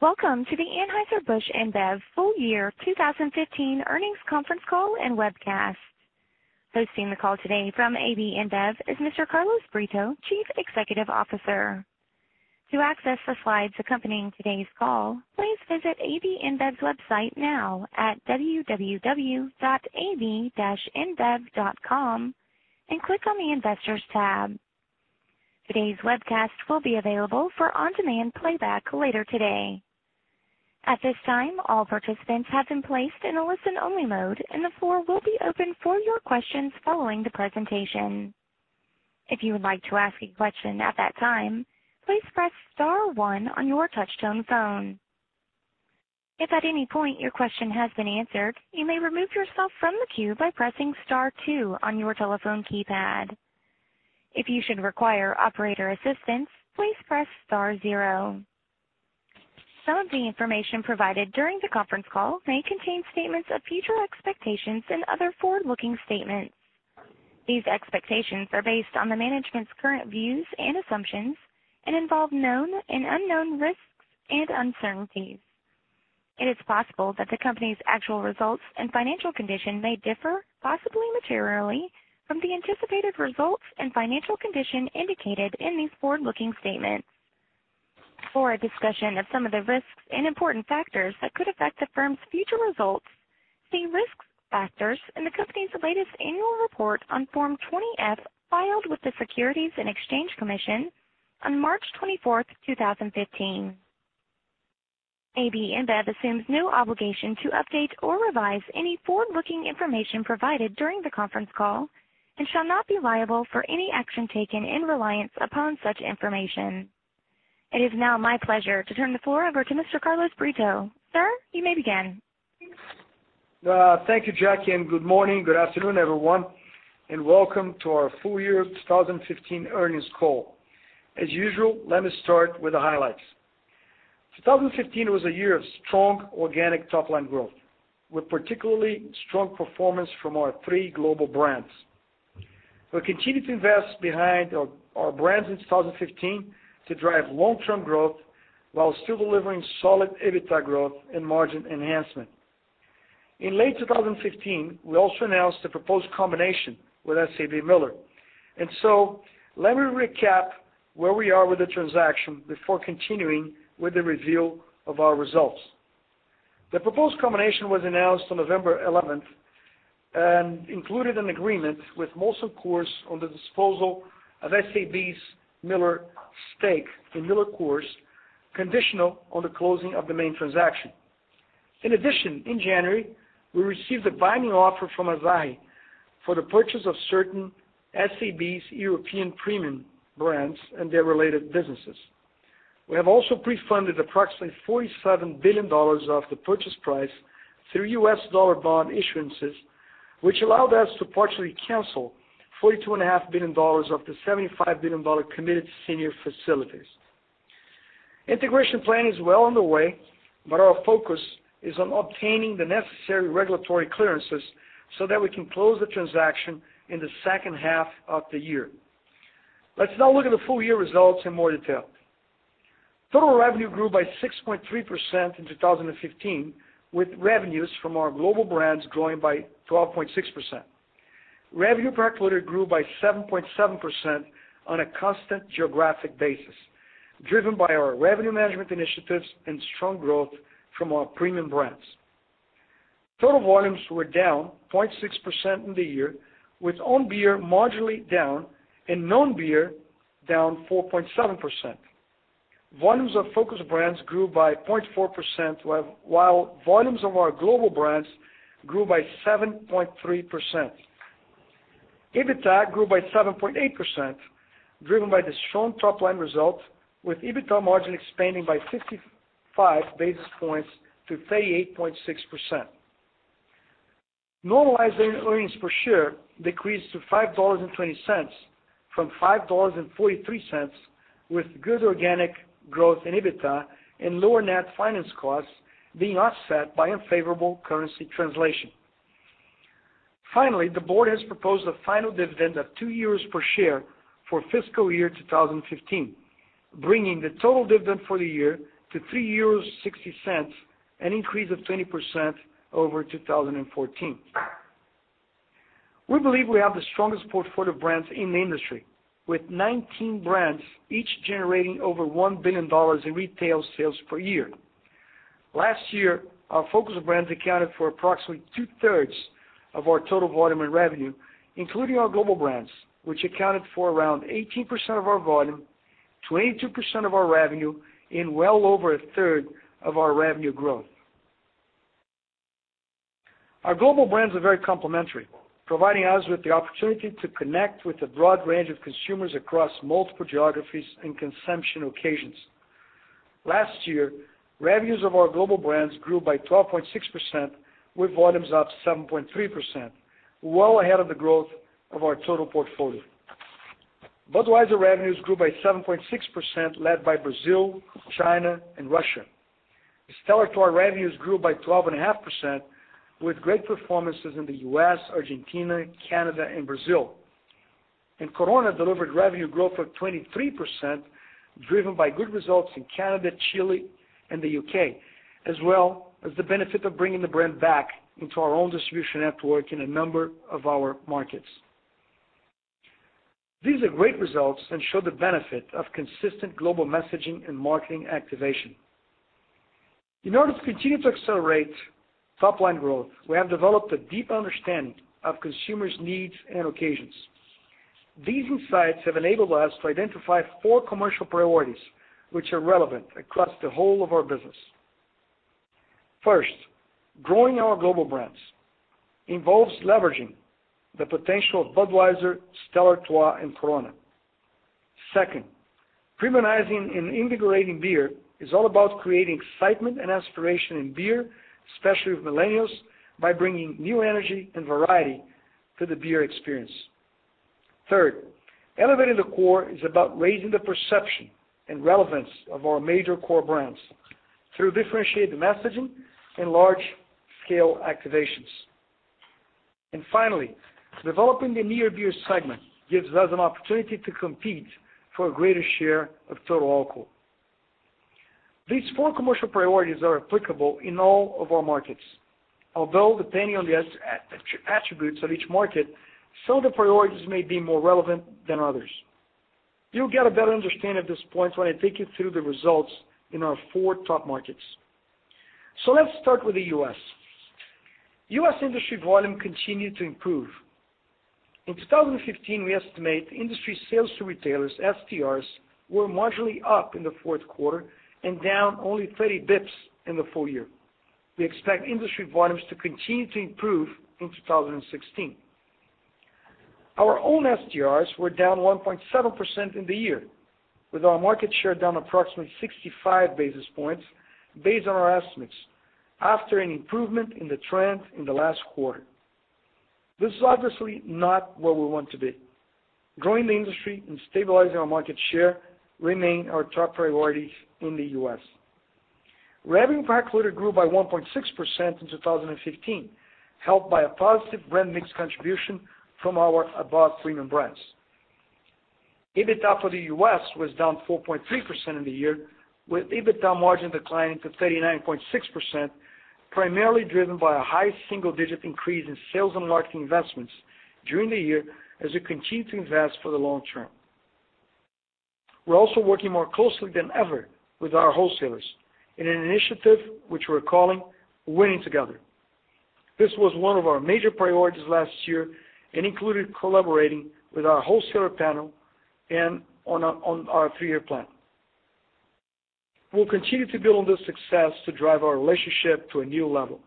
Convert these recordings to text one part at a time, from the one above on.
Welcome to the Anheuser-Busch InBev Full Year 2015 Earnings Conference Call and Webcast. Hosting the call today from AB InBev is Mr. Carlos Brito, Chief Executive Officer. To access the slides accompanying today's call, please visit AB InBev's website now at www.ab-inbev.com and click on the Investors tab. Today's webcast will be available for on-demand playback later today. At this time, all participants have been placed in a listen-only mode, and the floor will be open for your questions following the presentation. If you would like to ask a question at that time, please press star one on your touchtone phone. If at any point your question has been answered, you may remove yourself from the queue by pressing star two on your telephone keypad. If you should require operator assistance, please press star zero. Some of the information provided during the conference call may contain statements of future expectations and other forward-looking statements. These expectations are based on the management's current views and assumptions and involve known and unknown risks and uncertainties. It is possible that the company's actual results and financial condition may differ, possibly materially, from the anticipated results and financial condition indicated in these forward-looking statements. For a discussion of some of the risks and important factors that could affect the firm's future results, see Risk Factors in the company's latest annual report on Form 20-F filed with the Securities and Exchange Commission on March 24th, 2015. AB InBev assumes no obligation to update or revise any forward-looking information provided during the conference call and shall not be liable for any action taken in reliance upon such information. It is now my pleasure to turn the floor over to Mr. Carlos Brito. Sir, you may begin. Thank you, Jacqui, good morning, good afternoon, everyone, welcome to our full year 2015 earnings call. As usual, let me start with the highlights. 2015 was a year of strong organic top-line growth with particularly strong performance from our three global brands. We continued to invest behind our brands in 2015 to drive long-term growth while still delivering solid EBITDA growth and margin enhancement. In late 2015, we also announced a proposed combination with SABMiller. Let me recap where we are with the transaction before continuing with the review of our results. The proposed combination was announced on November 11th and included an agreement with Molson Coors on the disposal of SAB's Miller stake in MillerCoors, conditional on the closing of the main transaction. In addition, in January, we received a binding offer from Asahi for the purchase of certain SAB's European premium brands and their related businesses. We have also pre-funded approximately $47 billion of the purchase price through U.S. dollar bond issuances, which allowed us to partially cancel $42.5 billion of the $75 billion committed senior facilities. Integration plan is well underway, but our focus is on obtaining the necessary regulatory clearances so that we can close the transaction in the second half of the year. Let's now look at the full-year results in more detail. Total revenue grew by 6.3% in 2015, with revenues from our global brands growing by 12.6%. Revenue per hectolitre grew by 7.7% on a constant geographic basis, driven by our revenue management initiatives and strong growth from our premium brands. Total volumes were down 0.6% in the year, with own beer marginally down and non-beer down 4.7%. Volumes of focus brands grew by 0.4%, while volumes of our global brands grew by 7.3%. EBITDA grew by 7.8%, driven by the strong top-line results, with EBITDA margin expanding by 55 basis points to 38.6%. Normalized EPS decreased to $5.20 from $5.43, with good organic growth in EBITDA and lower net finance costs being offset by unfavorable currency translation. Finally, the board has proposed a final dividend of €2 per share for fiscal year 2015, bringing the total dividend for the year to €3.60, an increase of 20% over 2014. We believe we have the strongest portfolio of brands in the industry, with 19 brands each generating over $1 billion in retail sales per year. Last year, our focus brands accounted for approximately two-thirds of our total volume and revenue, including our global brands, which accounted for around 18% of our volume, 22% of our revenue, and well over a third of our revenue growth. Our global brands are very complementary, providing us with the opportunity to connect with a broad range of consumers across multiple geographies and consumption occasions. Last year, revenues of our global brands grew by 12.6%, with volumes up 7.3%, well ahead of the growth of our total portfolio. Budweiser revenues grew by 7.6%, led by Brazil, China, and Russia. Stella Artois revenues grew by 12.5%, with great performances in the U.S., Argentina, Canada, and Brazil. Corona delivered revenue growth of 23%, driven by good results in Canada, Chile, and the U.K., as well as the benefit of bringing the brand back into our own distribution network in a number of our markets. These are great results and show the benefit of consistent global messaging and marketing activation. In order to continue to accelerate top-line growth, we have developed a deep understanding of consumers' needs and occasions. These insights have enabled us to identify four commercial priorities which are relevant across the whole of our business. First, growing our global brands involves leveraging the potential of Budweiser, Stella Artois, and Corona. Second, premiumizing and invigorating beer is all about creating excitement and aspiration in beer, especially with millennials, by bringing new energy and variety to the beer experience. Third, elevating the core is about raising the perception and relevance of our major core brands through differentiated messaging and large-scale activations. Finally, developing the near beer segment gives us an opportunity to compete for a greater share of total alcohol. These four commercial priorities are applicable in all of our markets. Although depending on the attributes of each market, some of the priorities may be more relevant than others. You'll get a better understanding at this point when I take you through the results in our four top markets. Let's start with the U.S. U.S. industry volume continued to improve. In 2015, we estimate industry sales to retailers, STRs, were marginally up in the fourth quarter and down only 30 basis points in the full year. We expect industry volumes to continue to improve in 2016. Our own STRs were down 1.7% in the year, with our market share down approximately 65 basis points based on our estimates, after an improvement in the trend in the last quarter. This is obviously not where we want to be. Growing the industry and stabilizing our market share remain our top priorities in the U.S. Revenue grew by 1.6% in 2015, helped by a positive brand mix contribution from our above premium brands. EBITDA for the U.S. was down 4.3% in the year, with EBITDA margin declining to 39.6%, primarily driven by a high single-digit increase in sales and marketing investments during the year, as we continue to invest for the long term. We're also working more closely than ever with our wholesalers in an initiative which we're calling Winning Together. This was one of our major priorities last year and included collaborating with our wholesaler panel and on our three-year plan. We'll continue to build on this success to drive our relationship to a new level.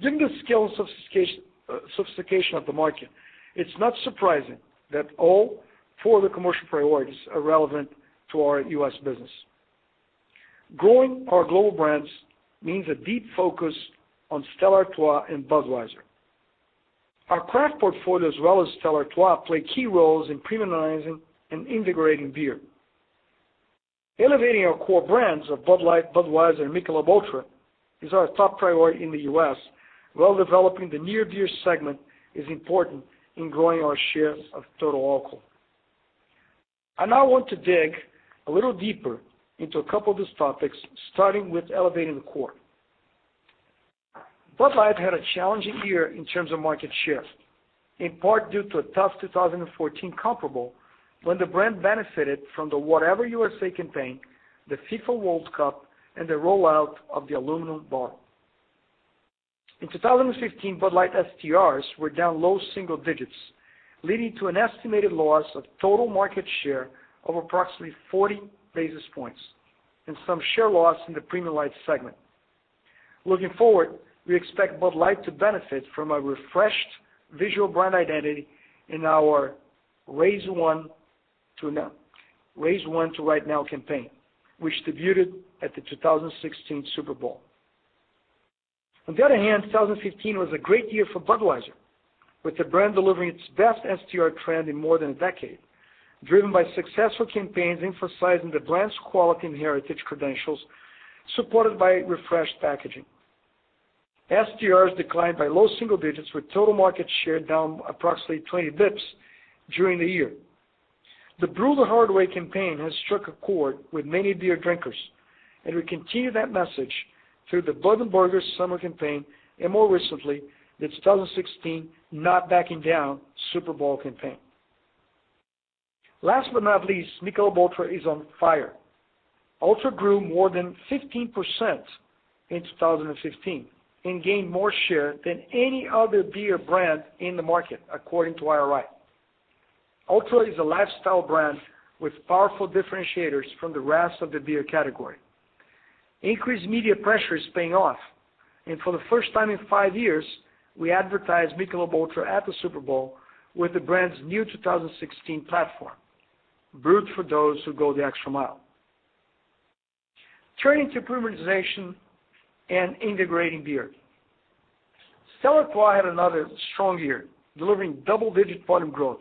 Given the scale and sophistication of the market, it's not surprising that all four of the commercial priorities are relevant to our U.S. business. Growing our global brands means a deep focus on Stella Artois and Budweiser. Our craft portfolio, as well as Stella Artois, play key roles in premiumizing and integrating beer. Elevating our core brands of Bud Light, Budweiser, and Michelob ULTRA is our top priority in the U.S., while developing the near beer segment is important in growing our share of total alcohol. I now want to dig a little deeper into a couple of these topics, starting with elevating the core. Bud Light had a challenging year in terms of market share, in part due to a tough 2014 comparable when the brand benefited from the Whatever, USA campaign, the FIFA World Cup, and the rollout of the aluminum bottle. In 2015, Bud Light STRs were down low single digits, leading to an estimated loss of total market share of approximately 40 basis points and some share loss in the premium light segment. Looking forward, we expect Bud Light to benefit from a refreshed visual brand identity in our Raise One to Right Now campaign, which debuted at the 2016 Super Bowl. On the other hand, 2015 was a great year for Budweiser, with the brand delivering its best STR trend in more than a decade, driven by successful campaigns emphasizing the brand's quality and heritage credentials, supported by refreshed packaging. STRs declined by low single digits, with total market share down approximately 20 basis points during the year. The Brewed the Hard Way campaign has struck a chord with many beer drinkers, and we continue that message through the Bud & Burgers summer campaign and more recently, the 2016 Not Backing Down Super Bowl campaign. Last but not least, Michelob ULTRA is on fire. ULTRA grew more than 15% in 2015 and gained more share than any other beer brand in the market, according to IRI. ULTRA is a lifestyle brand with powerful differentiators from the rest of the beer category. Increased media pressure is paying off, and for the first time in five years, we advertised Michelob ULTRA at the Super Bowl with the brand's new 2016 platform, Brewed for Those Who Go the Extra Mile. Turning to premiumization and integrating beer. Stella Artois had another strong year, delivering double-digit volume growth,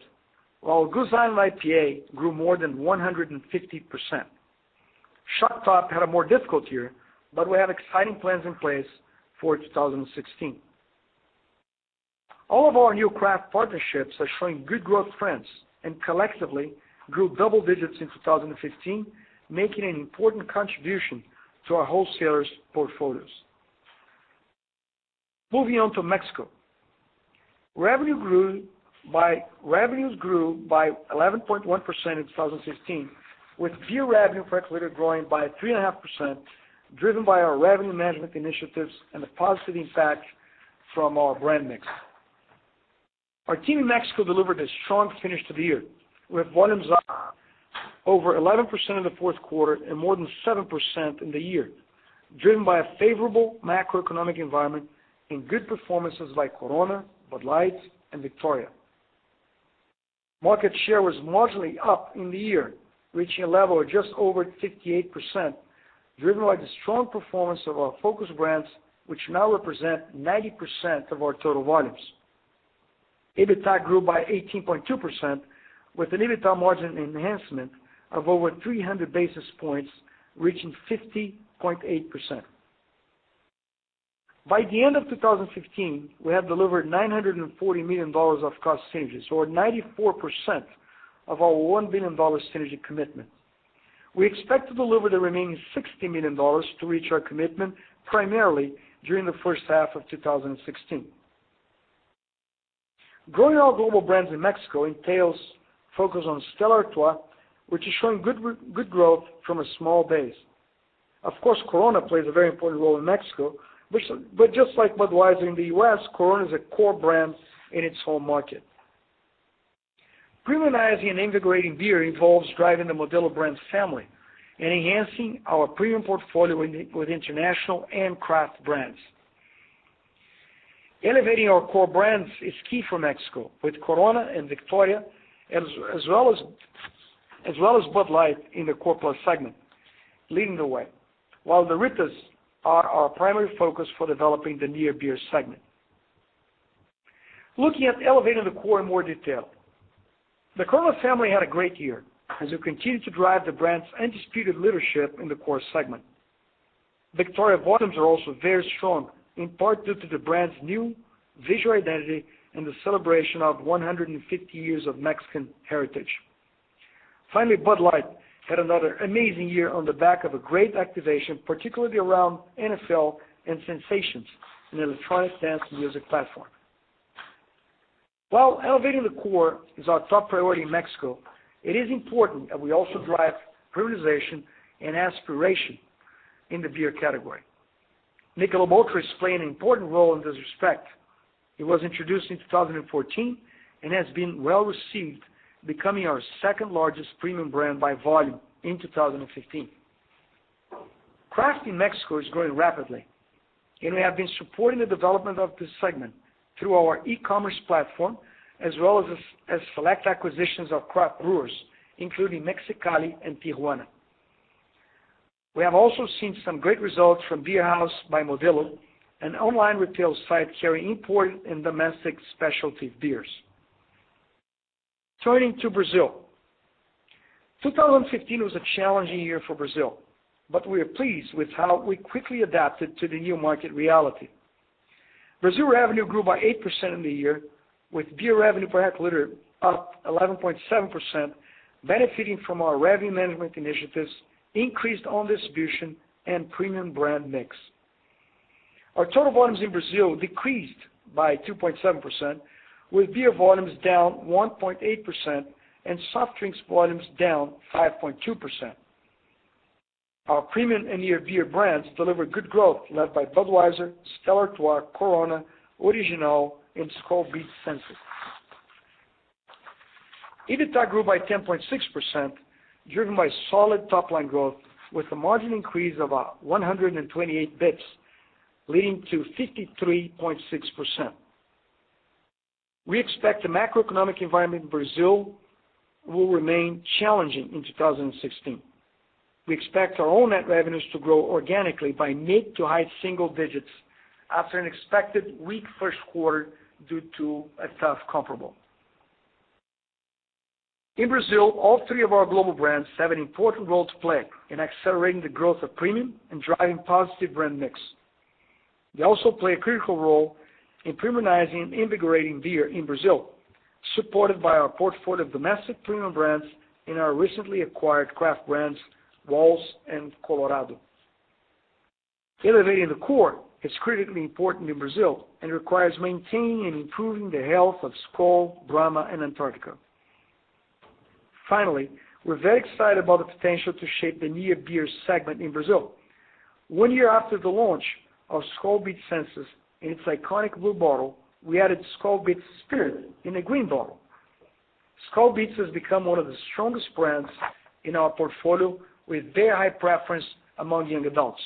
while Goose Island IPA grew more than 150%. Shock Top had a more difficult year, but we have exciting plans in place for 2016. All of our new craft partnerships are showing good growth trends and collectively grew double digits in 2015, making an important contribution to our wholesalers' portfolios. Moving on to Mexico. Revenues grew by 11.1% in 2016, with beer revenue per hectolitre growing by 3.5%, driven by our revenue management initiatives and the positive impact from our brand mix. Our team in Mexico delivered a strong finish to the year, with volumes up over 11% in the fourth quarter and more than 7% in the year, driven by a favorable macroeconomic environment and good performances by Corona, Bud Light, and Victoria. Market share was marginally up in the year, reaching a level of just over 58%, driven by the strong performance of our focus brands, which now represent 90% of our total volumes. EBITDA grew by 18.2% with an EBITDA margin enhancement of over 300 basis points, reaching 50.8%. By the end of 2015, we had delivered EUR 940 million of cost synergies or 94% of our EUR 1 billion synergy commitment. We expect to deliver the remaining EUR 60 million to reach our commitment primarily during the first half of 2016. Growing our global brands in Mexico entails focus on Stella Artois, which is showing good growth from a small base. Of course, Corona plays a very important role in Mexico, but just like Budweiser in the U.S., Corona is a core brand in its home market. Premiumizing and invigorating beer involves driving the Modelo brand family and enhancing our premium portfolio with international and craft brands. Elevating our core brands is key for Mexico with Corona and Victoria, as well as Bud Light in the core plus segment leading the way, while the Ritas are our primary focus for developing the near beer segment. Looking at elevating the core in more detail. The Corona family had a great year as we continue to drive the brand's undisputed leadership in the core segment. Victoria volumes are also very strong, in part due to the brand's new visual identity and the celebration of 150 years of Mexican heritage. Finally, Bud Light had another amazing year on the back of a great activation, particularly around NFL and Sensation, an electronic dance music platform. While elevating the core is our top priority in Mexico, it is important that we also drive premiumization and aspiration in the beer category. Michelob ULTRA has played an important role in this respect. It was introduced in 2014 and has been well-received, becoming our second-largest premium brand by volume in 2015. Craft in Mexico is growing rapidly, and we have been supporting the development of this segment through our e-commerce platform, as well as select acquisitions of craft brewers, including Mexicali and Tijuana. We have also seen some great results from Beerhouse by Modelorama, an online retail site carrying imported and domestic specialty beers. Turning to Brazil. 2015 was a challenging year for Brazil, but we are pleased with how we quickly adapted to the new market reality. Brazil revenue grew by 8% in the year, with beer revenue per hectolitre up 11.7%, benefiting from our revenue management initiatives, increased own distribution, and premium brand mix. Our total volumes in Brazil decreased by 2.7%, with beer volumes down 1.8% and soft drinks volumes down 5.2%. Our premium and near beer brands delivered good growth led by Budweiser, Stella Artois, Corona, Antarctica Original, and Skol Beats Senses. EBITDA grew by 10.6%, driven by solid top-line growth with a margin increase of 128 basis points, leading to 53.6%. We expect the macroeconomic environment in Brazil will remain challenging in 2016. We expect our own net revenues to grow organically by mid to high single digits after an expected weak first quarter due to a tough comparable. In Brazil, all 3 of our global brands have an important role to play in accelerating the growth of premium and driving positive brand mix. They also play a critical role in premiumizing and invigorating beer in Brazil, supported by our portfolio of domestic premium brands and our recently acquired craft brands, Wäls and Colorado. Elevating the core is critically important in Brazil and requires maintaining and improving the health of Skol, Brahma, and Antarctica. Finally, we're very excited about the potential to shape the near beer segment in Brazil. One year after the launch of Skol Beats Senses in its iconic blue bottle, we added Skol Beats Spirit in a green bottle. Skol Beats has become one of the strongest brands in our portfolio, with very high preference among young adults.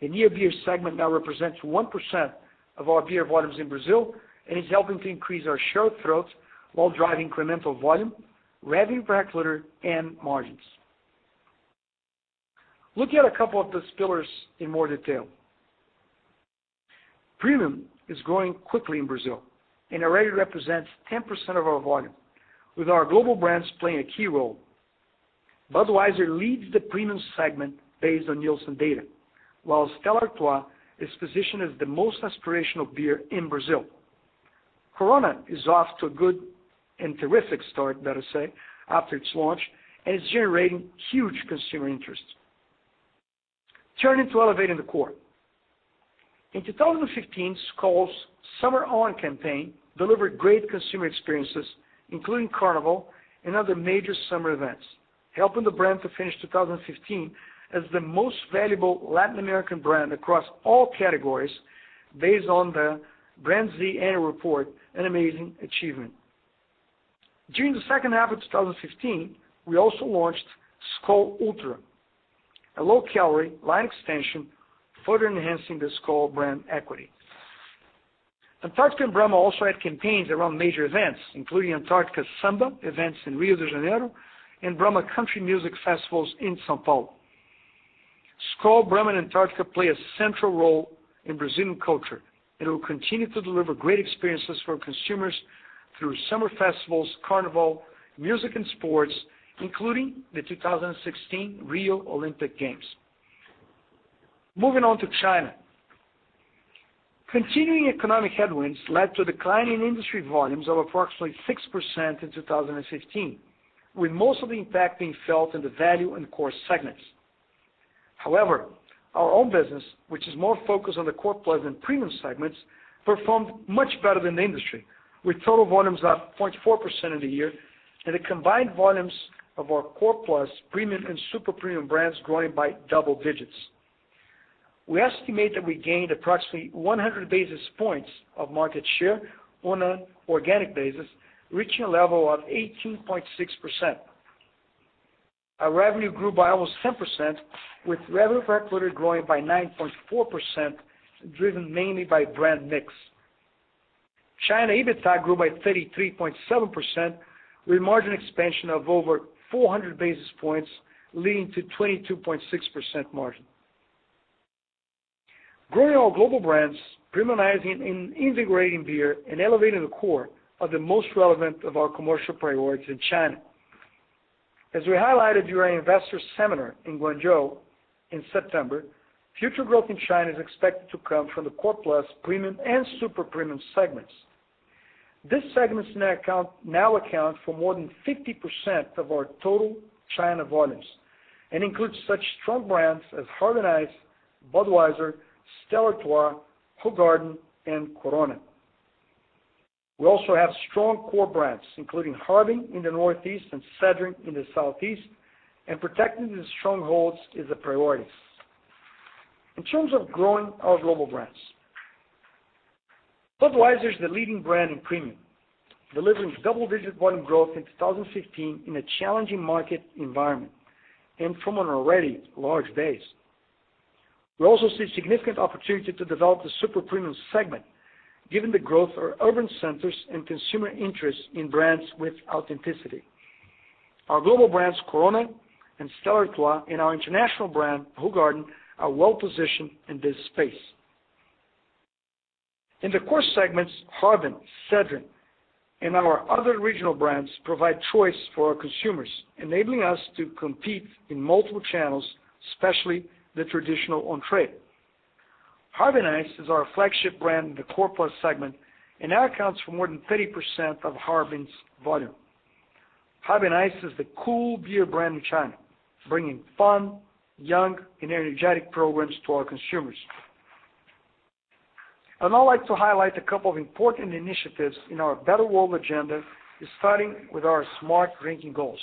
The near beer segment now represents 1% of our beer volumes in Brazil and is helping to increase our share of throat while driving incremental volume, revenue per hectolitre, and margins. Looking at a couple of those pillars in more detail. Premium is growing quickly in Brazil and already represents 10% of our volume, with our global brands playing a key role. Budweiser leads the premium segment based on Nielsen data, while Stella Artois is positioned as the most aspirational beer in Brazil. Corona is off to a good and terrific start, better say, after its launch, and it's generating huge consumer interest. Turning to elevating the core. In 2015, Skol's Summer On campaign delivered great consumer experiences, including Carnival and other major summer events, helping the brand to finish 2015 as the most valuable Latin American brand across all categories based on the BrandZ Annual Report, an amazing achievement. During the second half of 2015, we also launched Skol Ultra, a low-calorie line extension, further enhancing the Skol brand equity. Antarctica and Brahma also had campaigns around major events, including Antarctica Samba events in Rio de Janeiro and Brahma country music festivals in São Paulo. Skol, Brahma, and Antarctica play a central role in Brazilian culture and will continue to deliver great experiences for consumers through summer festivals, Carnival, music, and sports, including the 2016 Rio Olympic Games. Moving on to China. Continuing economic headwinds led to a decline in industry volumes of approximately 6% in 2015, with most of the impact being felt in the value and core segments. Our own business, which is more focused on the core plus and premium segments, performed much better than the industry, with total volumes up 0.4% in the year and the combined volumes of our core plus, premium, and super-premium brands growing by double digits. We estimate that we gained approximately 100 basis points of market share on an organic basis, reaching a level of 18.6%. Our revenue grew by almost 10%, with revenue per hectolitre growing by 9.4%, driven mainly by brand mix. China EBITDA grew by 33.7%, with margin expansion of over 400 basis points, leading to 22.6% margin. Growing our global brands, premiumizing and integrating beer, and elevating the core are the most relevant of our commercial priorities in China. As we highlighted during Investor Seminar in Guangzhou in September, future growth in China is expected to come from the core plus, premium, and super-premium segments. These segments now account for more than 50% of our total China volumes and include such strong brands as Harbin Ice, Budweiser, Stella Artois, Hoegaarden, and Corona. We also have strong core brands, including Harbin in the northeast and Sedrin in the southeast, and protecting these strongholds is a priority. In terms of growing our global brands, Budweiser is the leading brand in premium, delivering double-digit volume growth in 2015 in a challenging market environment and from an already large base. We also see significant opportunity to develop the super-premium segment given the growth of our urban centers and consumer interest in brands with authenticity. Our global brands, Corona and Stella Artois, and our international brand, Hoegaarden, are well-positioned in this space. In the core segments, Harbin, Sedrin, and our other regional brands provide choice for our consumers, enabling us to compete in multiple channels, especially the traditional on-trade. Harbin Ice is our flagship brand in the core plus segment and accounts for more than 30% of Harbin's volume. Harbin Ice is the cool beer brand in China, bringing fun, young, and energetic programs to our consumers. I'd now like to highlight a couple of important initiatives in our Better World agenda, starting with our Smart Drinking Goals.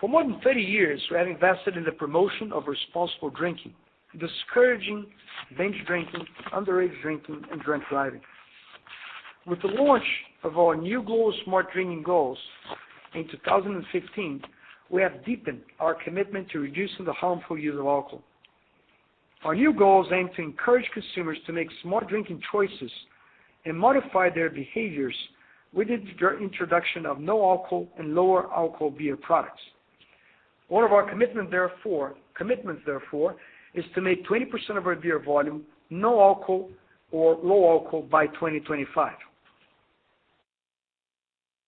For more than 30 years, we have invested in the promotion of responsible drinking, discouraging binge drinking, underage drinking, and drunk driving. With the launch of our new goal, Smart Drinking Goals, in 2015, we have deepened our commitment to reducing the harmful use of alcohol. Our new goals aim to encourage consumers to make smart drinking choices and modify their behaviors with the introduction of no-alcohol and lower-alcohol beer products. One of our commitments, therefore, is to make 20% of our beer volume no alcohol or low alcohol by 2025.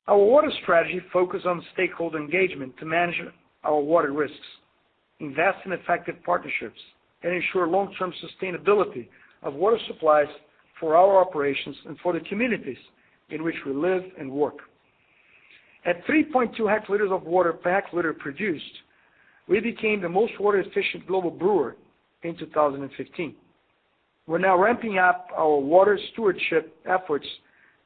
Our water strategy focuses on stakeholder engagement to manage our water risks, invest in effective partnerships, and ensure long-term sustainability of water supplies for our operations and for the communities in which we live and work. At 3.2 hectoliters of water per hectoliter produced, we became the most water-efficient global brewer in 2015. We're now ramping up our water stewardship efforts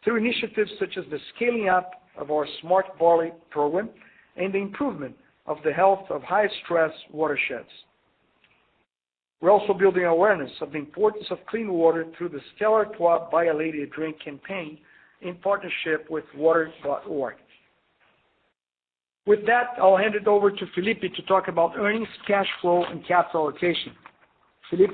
through initiatives such as the scaling up of our SmartBarley program and the improvement of the health of high-stress watersheds. We're also building awareness of the importance of clean water through the Stella Artois Buy a Lady a Drink campaign in partnership with Water.org. With that, I'll hand it over to Felipe to talk about earnings, cash flow, and capital allocation. Felipe?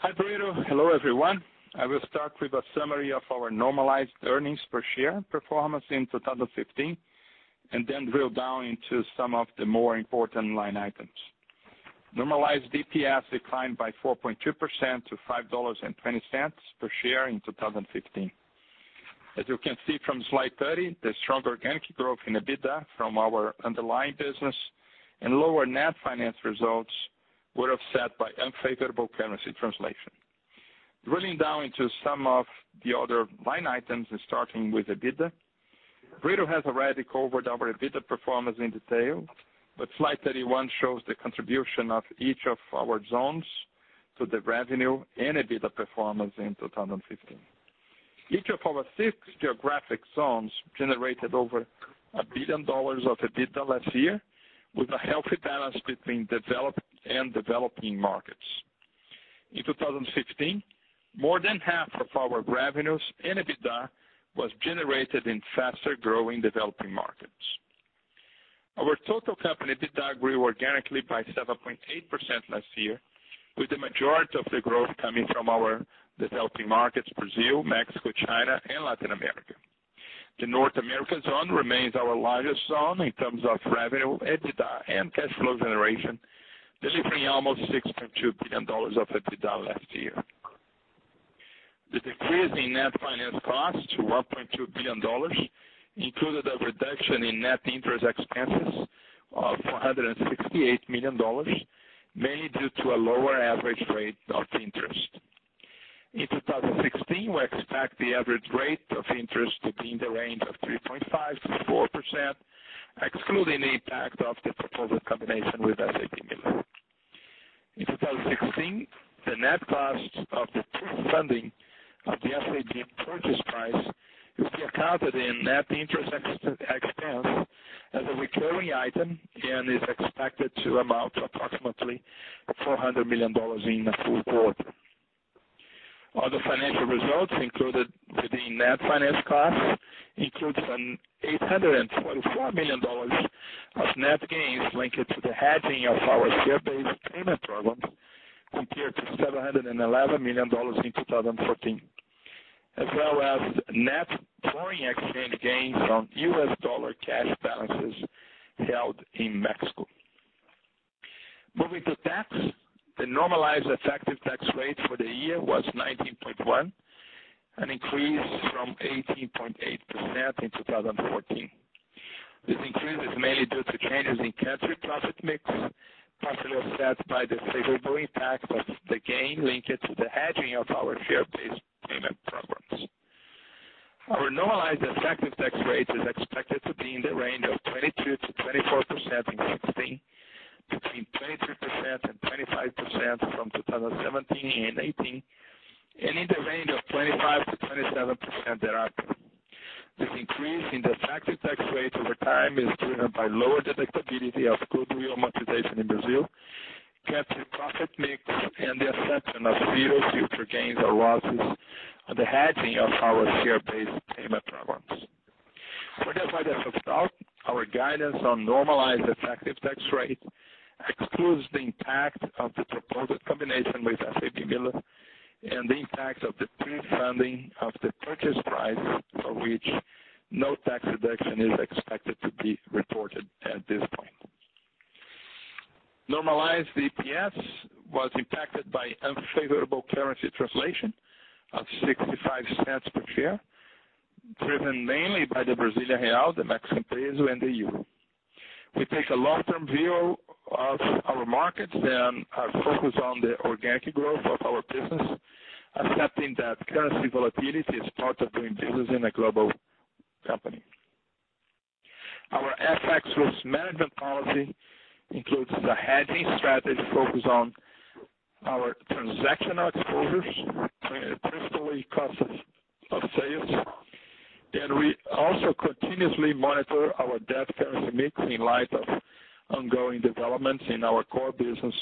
Hi, Brito. Hello, everyone. I will start with a summary of our normalized earnings per share performance in 2015. Then drill down into some of the more important line items. Normalized EPS declined by 4.2% to $5.20 per share in 2015. As you can see from slide 30, the strong organic growth in EBITDA from our underlying business and lower net finance results were offset by unfavorable currency translation. Drilling down into some of the other line items. Starting with EBITDA, Brito has already covered our EBITDA performance in detail, but slide 31 shows the contribution of each of our six zones to the revenue and EBITDA performance in 2015. Each of our six geographic zones generated over $1 billion of EBITDA last year with a healthy balance between developed and developing markets. In 2015, more than half of our revenues and EBITDA was generated in faster-growing developing markets. Our total company EBITDA grew organically by 7.8% last year, with the majority of the growth coming from our developing markets Brazil, Mexico, China, and Latin America. The North America zone remains our largest zone in terms of revenue, EBITDA, and cash flow generation, delivering almost $6.2 billion of EBITDA last year. The decrease in net finance cost to $1.2 billion included a reduction in net interest expenses of $468 million, mainly due to a lower average rate of interest. In 2016, we expect the average rate of interest to be in the range of 3.5%-4%, excluding the impact of the proposed combination with SABMiller. In 2016, the net cost of the pre-funding of the SABMiller purchase price will be accounted in net interest expense as a recurring item, and is expected to amount to approximately $400 million in the full board. Other financial results included within net finance costs includes an $824 million of net gains linked to the hedging of our share-based payment programs, compared to $711 million in 2014. As well as net foreign exchange gains on US dollar cash balances held in Mexico. Moving to tax, the normalized effective tax rate for the year was 19.1%, an increase from 18.8% in 2014. This increase is mainly due to changes in country profit mix, partially offset by the favorable impact of the gain linked to the hedging of our share-based payment programs. Our normalized effective tax rate is expected to be in the range of 22%-24% in 2016, between 23% and 25% from 2017 and 2018, and in the range of 25%-27% thereafter. This increase in the effective tax rate over time is driven by lower deductibility of goodwill amortization in Brazil, country profit mix, and the assumption of zero future gains or losses on the hedging of our share-based payment programs. For the purpose of stock, our guidance on normalized effective tax rate excludes the impact of the proposed combination with SABMiller and the impact of the pre-funding of the purchase price, for which no tax deduction is expected to be reported at this point. Normalized EPS was impacted by unfavorable currency translation of $0.65 per share, driven mainly by the Brazilian real, the Mexican peso, and the euro. We take a long-term view of our markets and are focused on the organic growth of our business, accepting that currency volatility is part of doing business in a global company. Our FX risk management policy includes the hedging strategy focused on our transactional exposures, principally costs of sales, and we also continuously monitor our debt currency mix in light of ongoing developments in our core business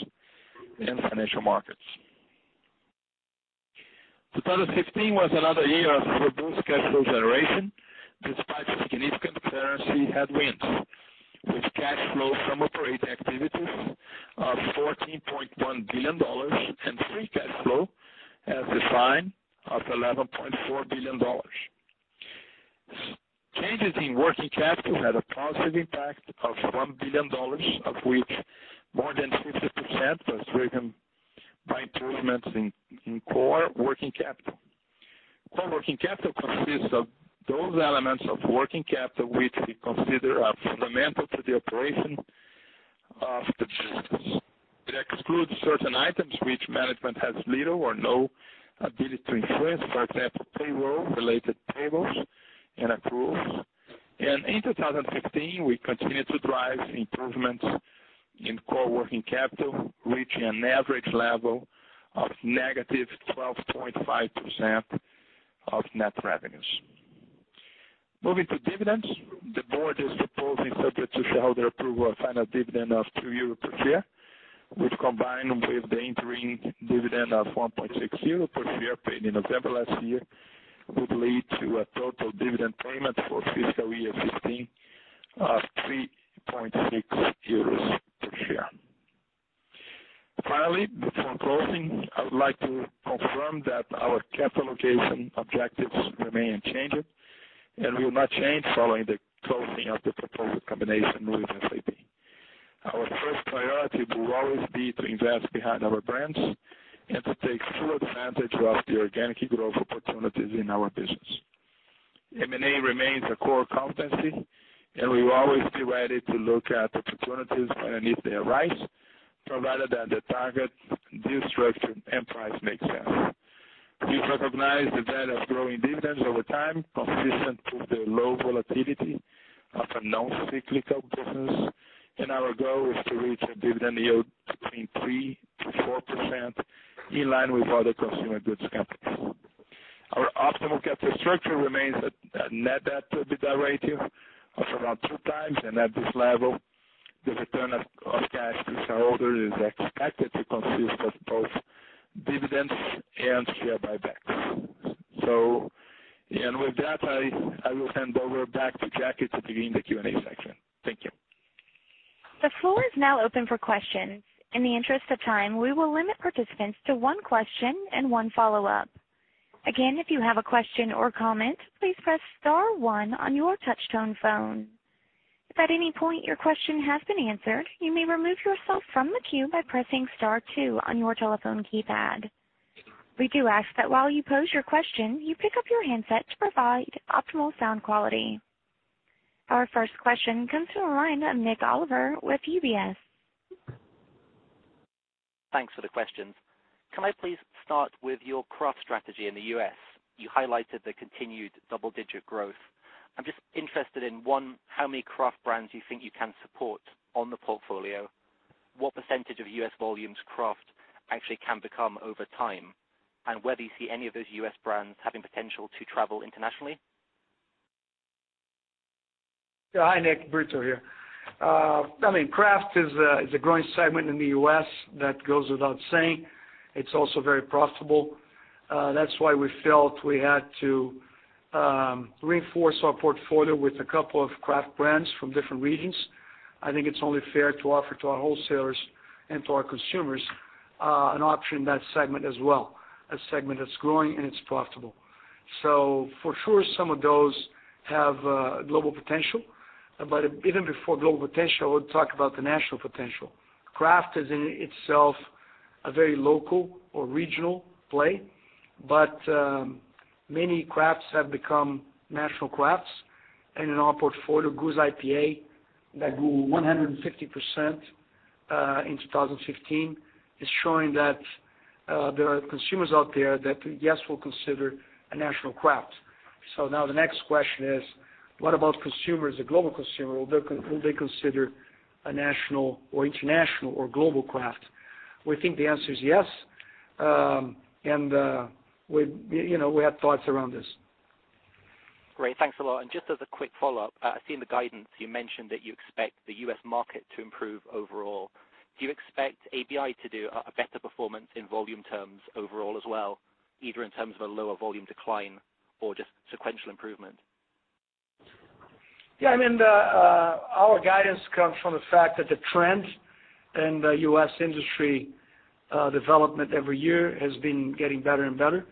and financial markets. 2015 was another year of robust cash flow generation despite significant currency headwinds, with cash flow from operating activities of $14.1 billion and free cash flow as defined of $11.4 billion. Changes in working capital had a positive impact of $1 billion, of which more than 50% was driven by improvements in core working capital. Core working capital consists of those elements of working capital which we consider are fundamental to the operation of the business. It excludes certain items which management has little or no ability to influence. For example, payroll-related payables and approvals. In 2015, we continued to drive improvements in core working capital, reaching an average level of negative 12.5% of net revenues. Moving to dividends, the board is proposing, subject to shareholder approval, a final dividend of €2 per share, which combined with the interim dividend of €1.6 per share paid in November last year, would lead to a total dividend payment for fiscal year 2015. Of 3.60 euros per share. Finally, before closing, I would like to confirm that our capital allocation objectives remain unchanged, and will not change following the closing of the proposed combination with SABMiller. Our first priority will always be to invest behind our brands and to take full advantage of the organic growth opportunities in our business. M&A remains a core competency, and we will always be ready to look at opportunities when and if they arise, provided that the target, deal structure, and price makes sense. Please recognize the value of growing dividends over time, consistent with the low volatility of a non-cyclical business, and our goal is to reach a dividend yield between 3%-4%, in line with other consumer goods companies. Our optimal capital structure remains a net debt to EBITDA ratio of around two times. At this level, the return of cash to shareholders is expected to consist of both dividends and share buybacks. With that, I will hand over back to Jacqui to begin the Q&A section. Thank you. The floor is now open for questions. In the interest of time, we will limit participants to one question and one follow-up. Again, if you have a question or comment, please press star one on your touch-tone phone. If at any point your question has been answered, you may remove yourself from the queue by pressing star two on your telephone keypad. We do ask that while you pose your question, you pick up your handset to provide optimal sound quality. Our first question comes from the line of Nik Oliver with UBS. Thanks for the questions. Can I please start with your craft strategy in the U.S.? You highlighted the continued double-digit growth. I am just interested in, one, how many craft brands you think you can support on the portfolio, what % of U.S. volumes craft actually can become over time, and whether you see any of those U.S. brands having potential to travel internationally. Hi, Nik. Brito here. Craft is a growing segment in the U.S. That goes without saying. It is also very profitable. That is why we felt we had to reinforce our portfolio with a couple of craft brands from different regions. I think it is only fair to offer to our wholesalers and to our consumers an option in that segment as well, a segment that is growing and it is profitable. For sure, some of those have global potential. Even before global potential, we will talk about the national potential. Craft is in itself a very local or regional play, but many crafts have become national crafts, and in our portfolio, Goose IPA that grew 150% in 2015 is showing that there are consumers out there that, yes, will consider a national craft. Now the next question is, what about consumers, the global consumer, will they consider a national or international or global craft? We think the answer is yes, and we have thoughts around this. Great. Thanks a lot. Just as a quick follow-up, I've seen the guidance you mentioned that you expect the U.S. market to improve overall. Do you expect AB InBev to do a better performance in volume terms overall as well, either in terms of a lower volume decline or just sequential improvement? Yeah. Our guidance comes from the fact that the trend in the U.S. industry development every year has been getting better and better.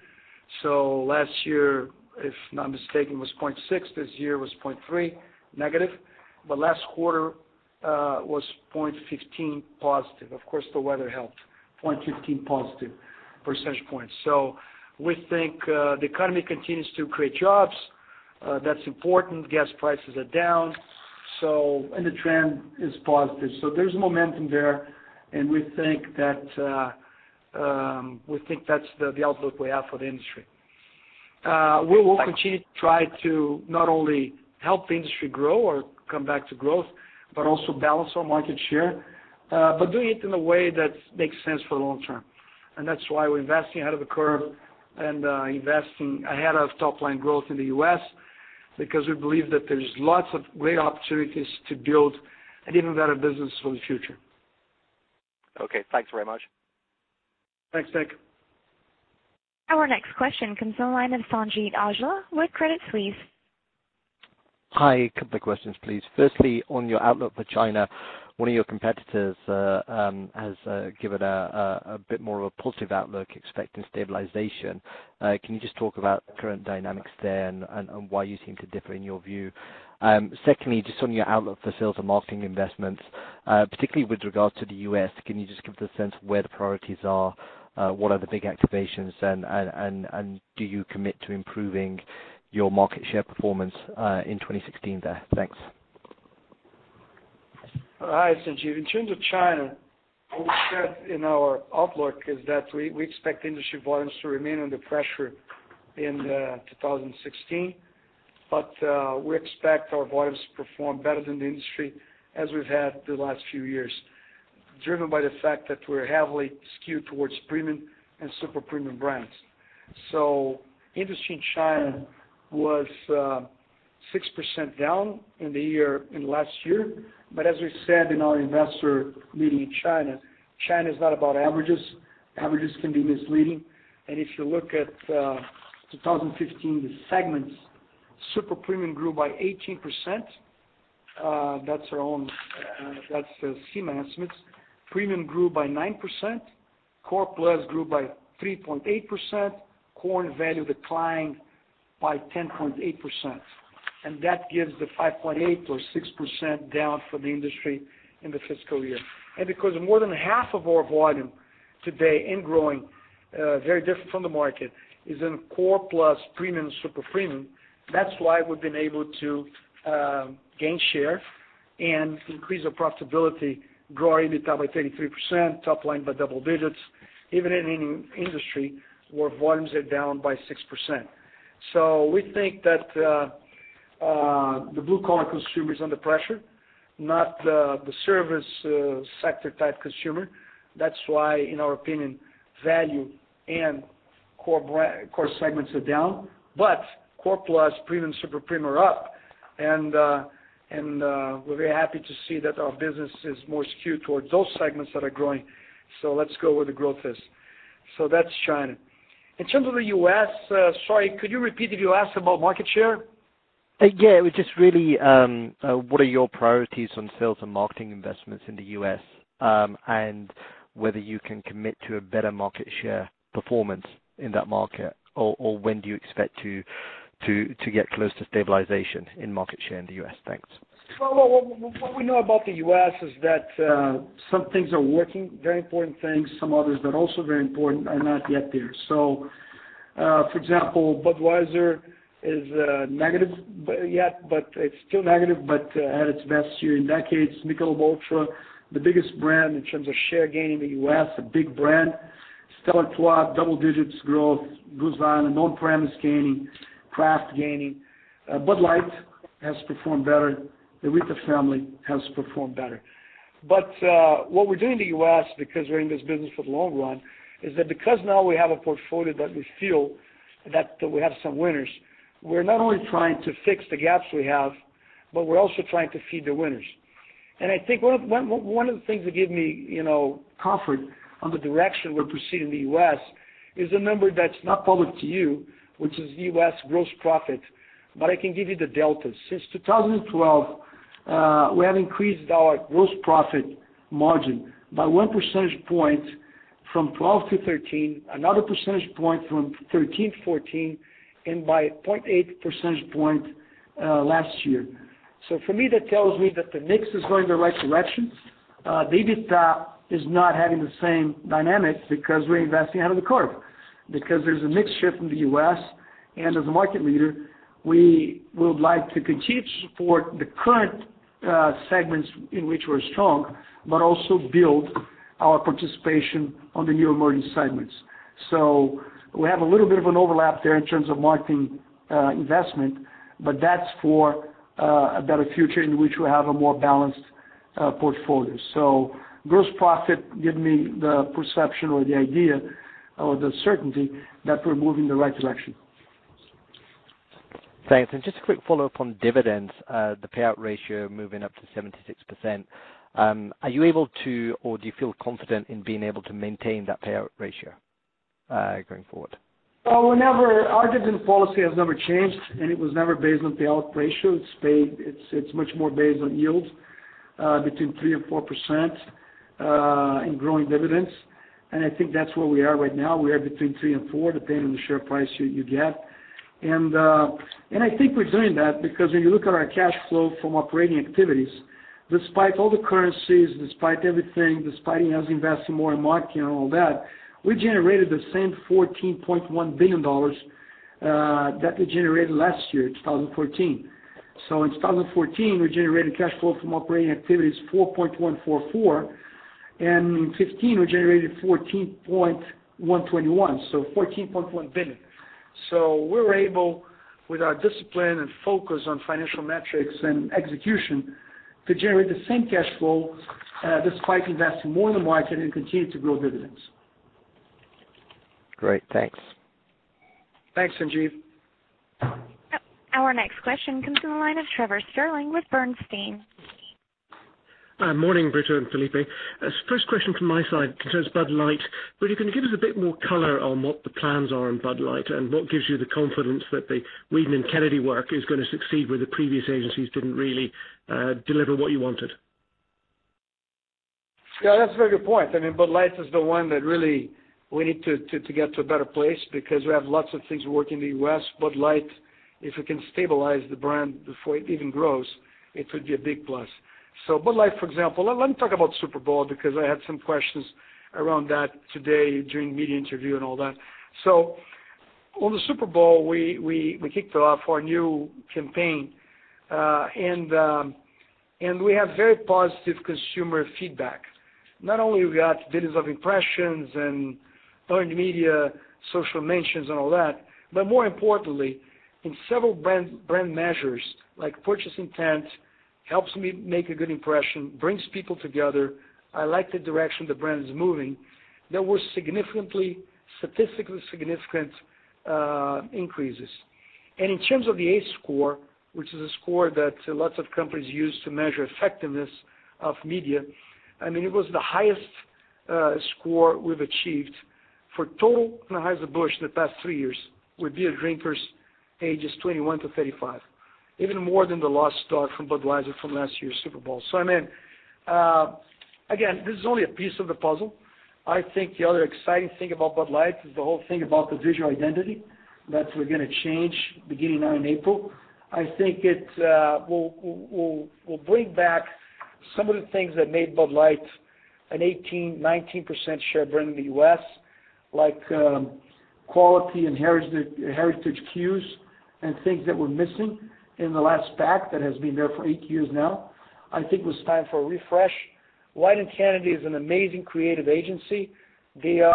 Last year, if I'm not mistaken, was 0.6%, this year was -0.3%. The last quarter was +0.15%. Of course, the weather helped, 0.15 positive percentage points. We think the economy continues to create jobs. That's important. Gas prices are down, and the trend is positive. There's momentum there, and we think that's the outlook we have for the industry. We will continue to try to not only help the industry grow or come back to growth, but also balance our market share, but doing it in a way that makes sense for the long term. That's why we're investing ahead of the curve and investing ahead of top-line growth in the U.S. because we believe that there's lots of great opportunities to build an even better business for the future. Okay, thanks very much. Thanks, Nik. Our next question comes on line of Sanjeet Aujla with Credit Suisse. Hi. A couple of questions, please. Firstly, on your outlook for China, one of your competitors has given a bit more of a positive outlook, expecting stabilization. Can you just talk about current dynamics there and why you seem to differ in your view? Secondly, just on your outlook for sales and marketing investments, particularly with regards to the U.S., can you just give the sense of where the priorities are? What are the big activations, and do you commit to improving your market share performance in 2016 there? Thanks. Hi, Sanjeet. In terms of China, what we said in our outlook is that we expect industry volumes to remain under pressure in 2016, we expect our volumes to perform better than the industry as we've had the last few years, driven by the fact that we're heavily skewed towards premium and super premium brands. Industry in China was 6% down in the last year. As we said in our investor meeting in China is not about averages Averages can be misleading. If you look at 2015, the segments, super premium grew by 18%. That's our own, that's the CMI estimates. Premium grew by 9%, core plus grew by 3.8%, core and value declined by 10.8%. That gives the 5.8% or 6% down for the industry in the fiscal year. Because more than half of our volume today in growing, very different from the market, is in core plus premium, super premium, that's why we've been able to gain share and increase our profitability, grow EBITDA by 33%, top line by double digits, even in an industry where volumes are down by 6%. We think that the blue-collar consumer is under pressure, not the service sector type consumer. That's why, in our opinion, value and core segments are down. Core plus premium, super premium are up and we're very happy to see that our business is more skewed towards those segments that are growing. Let's go where the growth is. That's China. In terms of the U.S., sorry, could you repeat if you asked about market share? Yeah, it was just really, what are your priorities on sales and marketing investments in the U.S., and whether you can commit to a better market share performance in that market, or when do you expect to get close to stabilization in market share in the U.S.? Thanks. What we know about the U.S. is that some things are working, very important things. Some others that are also very important are not yet there. For example, Budweiser is negative yet, but it's still negative, but had its best year in decades. Michelob ULTRA, the biggest brand in terms of share gain in the U.S., a big brand. Stella Artois, double digits growth. Goose Island on-premise gaining, craft gaining. Bud Light has performed better. The Rita family has performed better. What we're doing in the U.S., because we're in this business for the long run, is that because now we have a portfolio that we feel that we have some winners, we're not only trying to fix the gaps we have, but we're also trying to feed the winners. I think one of the things that give me comfort on the direction we're proceeding in the U.S. is a number that's not public to you, which is U.S. gross profit. I can give you the delta. Since 2012, we have increased our gross profit margin by one percentage point from 2012 to 2013, another percentage point from 2013 to 2014, and by 0.8 percentage point last year. For me, that tells me that the mix is going in the right direction. The EBITDA is not having the same dynamics because we're investing out of the curve, because there's a mix shift in the U.S., and as a market leader, we would like to continue to support the current segments in which we're strong, but also build our participation on the new emerging segments. We have a little bit of an overlap there in terms of marketing investment, but that's for a better future in which we'll have a more balanced portfolio. Gross profit give me the perception or the idea or the certainty that we're moving in the right direction. Thanks. Just a quick follow-up on dividends, the payout ratio moving up to 76%. Are you able to, or do you feel confident in being able to maintain that payout ratio going forward? Well, our dividend policy has never changed, and it was never based on payout ratio. It's much more based on yields between 3% and 4%, and growing dividends, and I think that's where we are right now. We are between 3% and 4%, depending on the share price you get. I think we're doing that because when you look at our cash flow from operating activities, despite all the currencies, despite everything, despite us investing more in marketing and all that, we generated the same EUR 14.1 billion that we generated last year, 2014. In 2014, we generated cash flow from operating activities 4.144 billion and in 2015, we generated 14.121 billion, so 14.1 billion. We're able, with our discipline and focus on financial metrics and execution, to generate the same cash flow despite investing more in the market and continue to grow dividends. Great, thanks. Thanks, Sanjeet. Our next question comes from the line of Trevor Stirling with Bernstein. Morning, Brito and Felipe. First question from my side concerns Bud Light. Brito, can you give us a bit more color on what the plans are on Bud Light and what gives you the confidence that the Wieden+Kennedy work is going to succeed where the previous agencies didn't really deliver what you wanted? Yeah, that's a very good point. Bud Light is the one that really we need to get to a better place because we have lots of things working in the U.S. Bud Light, if we can stabilize the brand before it even grows, it would be a big plus. Bud Light, for example. Let me talk about Super Bowl because I had some questions around that today during media interview and all that. On the Super Bowl, we kicked off our new campaign, we have very positive consumer feedback. Not only we got billions of impressions and earned media, social mentions and all that, but more importantly in several brand measures like purchase intent, helps me make a good impression, brings people together, I like the direction the brand is moving. There were statistically significant increases. In terms of the ACE score, which is a score that lots of companies use to measure effectiveness of media, it was the highest score we've achieved for total Anheuser-Busch in the past three years with beer drinkers ages 21 to 35, even more than the last start from Budweiser from last year's Super Bowl. Again, this is only a piece of the puzzle. I think the other exciting thing about Bud Light is the whole thing about the visual identity that we're going to change beginning now in April. I think it will bring back some of the things that made Bud Light an 18%, 19% share brand in the U.S., like quality and heritage cues and things that were missing in the last pack that has been there for eight years now. I think it was time for a refresh. Wieden+Kennedy is an amazing creative agency. They are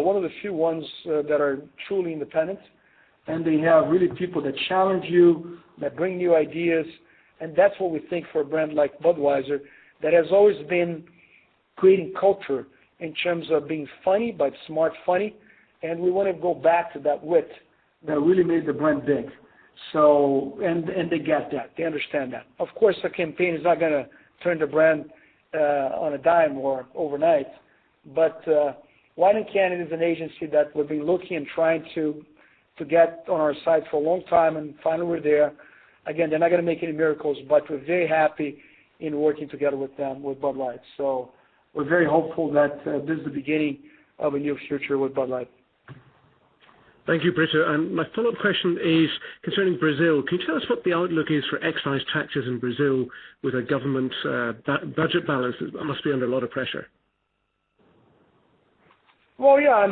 one of the few ones that are truly independent, they have really people that challenge you, that bring new ideas, that's what we think for a brand like Budweiser that has always been creating culture in terms of being funny, but smart funny, we want to go back to that wit that really made the brand big. They get that. They understand that. Of course, the campaign is not going to turn the brand on a dime or overnight, Wieden+Kennedy is an agency that we've been looking and trying to get on our side for a long time, finally we're there. Again, they're not going to make any miracles, we're very happy in working together with them with Bud Light. We're very hopeful that this is the beginning of a new future with Bud Light. Thank you, Brito. My follow-up question is concerning Brazil. Can you tell us what the outlook is for excise taxes in Brazil with a government budget balance that must be under a lot of pressure? Well, yeah.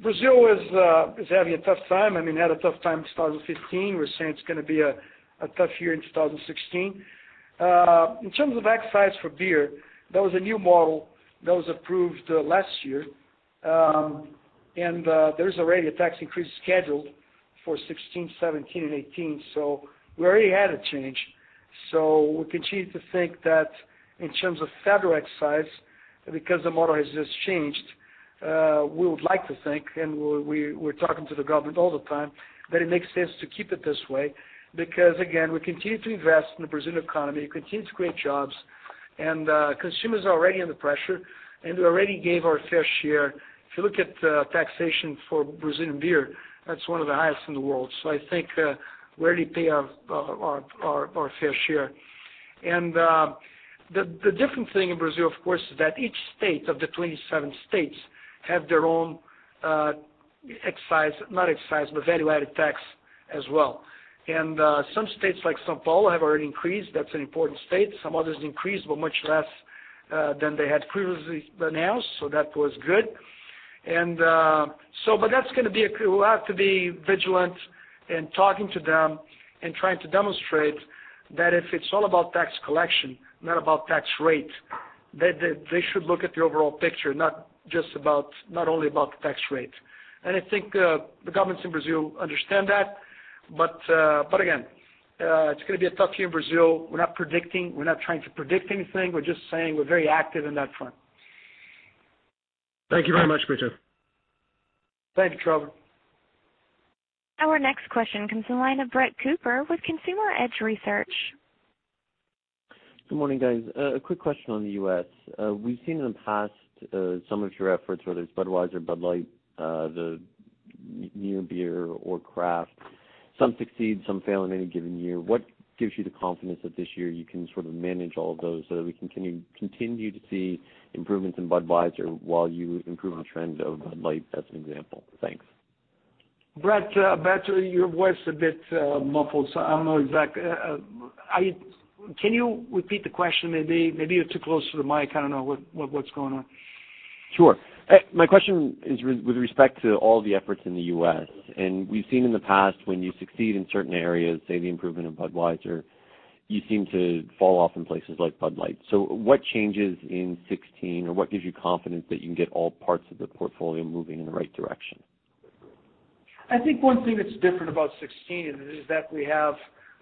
Brazil is having a tough time. Had a tough time in 2015. We're saying it's going to be a tough year in 2016. In terms of excise for beer, that was a new model that was approved last year. There is already a tax increase scheduled for 2016, 2017, and 2018. We already had a change. We continue to think that in terms of federal excise, because the model has just changed, we would like to think, and we're talking to the government all the time, that it makes sense to keep it this way because, again, we continue to invest in the Brazilian economy, continue to create jobs, and consumers are already under pressure, and we already gave our fair share. If you look at taxation for Brazilian beer, that's one of the highest in the world. I think we already pay our fair share. The different thing in Brazil, of course, is that each state of the 27 states have their own value-added tax as well. Some states, like São Paulo, have already increased. That's an important state. Some others increased, but much less than they had previously announced, so that was good. We'll have to be vigilant and talking to them and trying to demonstrate that if it's all about tax collection, not about tax rate, that they should look at the overall picture, not only about the tax rate. I think the governments in Brazil understand that. Again, it's going to be a tough year in Brazil. We're not trying to predict anything. We're just saying we're very active on that front. Thank you very much, Brito. Thank you, Trevor. Our next question comes on the line of Brett Cooper with Consumer Edge Research. Good morning, guys. A quick question on the U.S. We've seen in the past some of your efforts, whether it's Budweiser, Bud Light, the new beer or craft. Some succeed, some fail in any given year. What gives you the confidence that this year you can sort of manage all of those so that we continue to see improvements in Budweiser while you improve on trends of Bud Light, as an example? Thanks. Brett, your voice a bit muffled, so I don't know exactly. Can you repeat the question maybe? Maybe you're too close to the mic. I don't know what's going on. My question is with respect to all the efforts in the U.S. We've seen in the past when you succeed in certain areas, say, the improvement of Budweiser, you seem to fall off in places like Bud Light. What changes in 2016, or what gives you confidence that you can get all parts of the portfolio moving in the right direction? I think one thing that's different about 2016 is that we have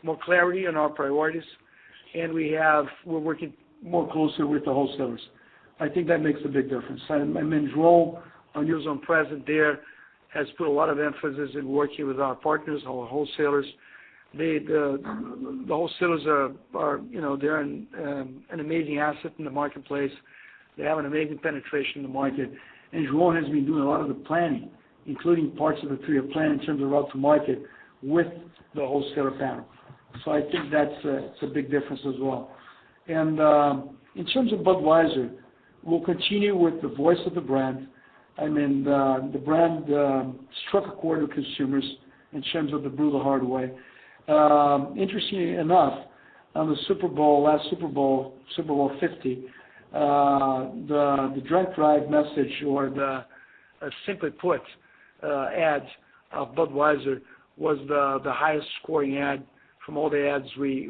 more clarity on our priorities. We're working more closely with the wholesalers. I think that makes a big difference. João, our new zone president there, has put a lot of emphasis in working with our partners, our wholesalers. The wholesalers, they're an amazing asset in the marketplace. They have an amazing penetration in the market. João has been doing a lot of the planning, including parts of the three-year plan in terms of route to market, with the wholesaler panel. I think that's a big difference as well. In terms of Budweiser, we'll continue with the voice of the brand. The brand struck a chord with consumers in terms of the Brewed the Hard Way. Interestingly enough, on the last Super Bowl, Super Bowl 50, the drunk drive message or the Simply Put ads of Budweiser was the highest-scoring ad from all the ads we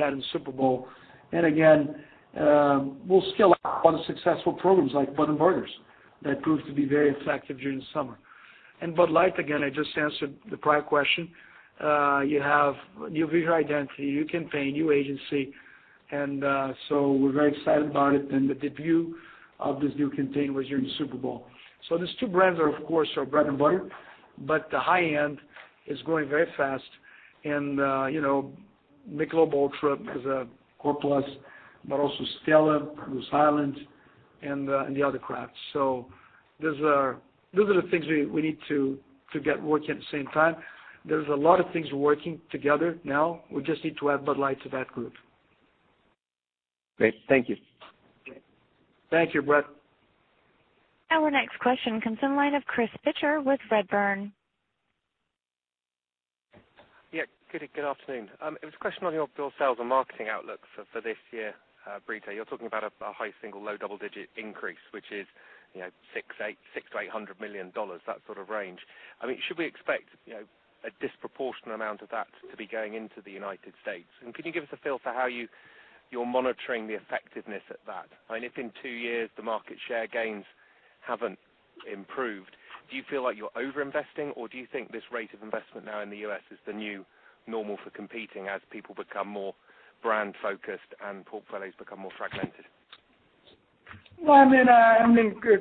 had in Super Bowl. Again, we'll scale up on successful programs like Bud and Burgers. That proved to be very effective during the summer. Bud Light, again, I just answered the prior question. You have a new visual identity, new campaign, new agency. We're very excited about it. The debut of this new campaign was during the Super Bowl. These two brands are, of course, our bread and butter, but the high-end is growing very fast. Michelob ULTRA is a core plus, but also Stella, Goose Island, and the other crafts. Those are the things we need to get working at the same time. There's a lot of things working together now. We just need to add Bud Light to that group. Great. Thank you. Thank you, Brett. Our next question comes in line of Chris Pitcher with Redburn. Yeah. Good afternoon. It was a question on your sales and marketing outlook for this year, Brito. You're talking about a high single, low double-digit increase, which is EUR 600 million-EUR 800 million, that sort of range. Should we expect a disproportionate amount of that to be going into the U.S.? Can you give us a feel for how you're monitoring the effectiveness at that? If in two years the market share gains haven't improved, do you feel like you're over-investing, or do you think this rate of investment now in the U.S. is the new normal for competing as people become more brand-focused and portfolios become more fragmented?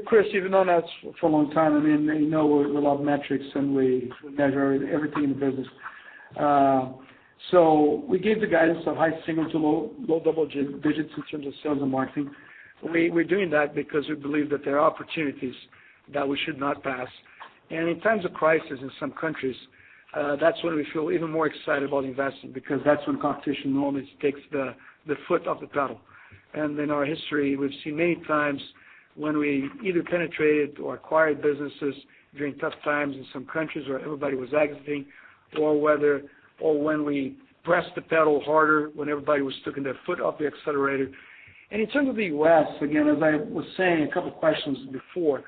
Chris, you've known us for a long time. You know we love metrics, we measure everything in the business. We gave the guidance of high single to low double digits in terms of sales and marketing. We're doing that because we believe that there are opportunities that we should not pass. In times of crisis in some countries, that's when we feel even more excited about investing, because that's when competition normally takes their foot off the pedal. In our history, we've seen many times when we either penetrated or acquired businesses during tough times in some countries where everybody was exiting, or when we pressed the pedal harder when everybody was taking their foot off the accelerator. In terms of the U.S., again, as I was saying a couple questions before,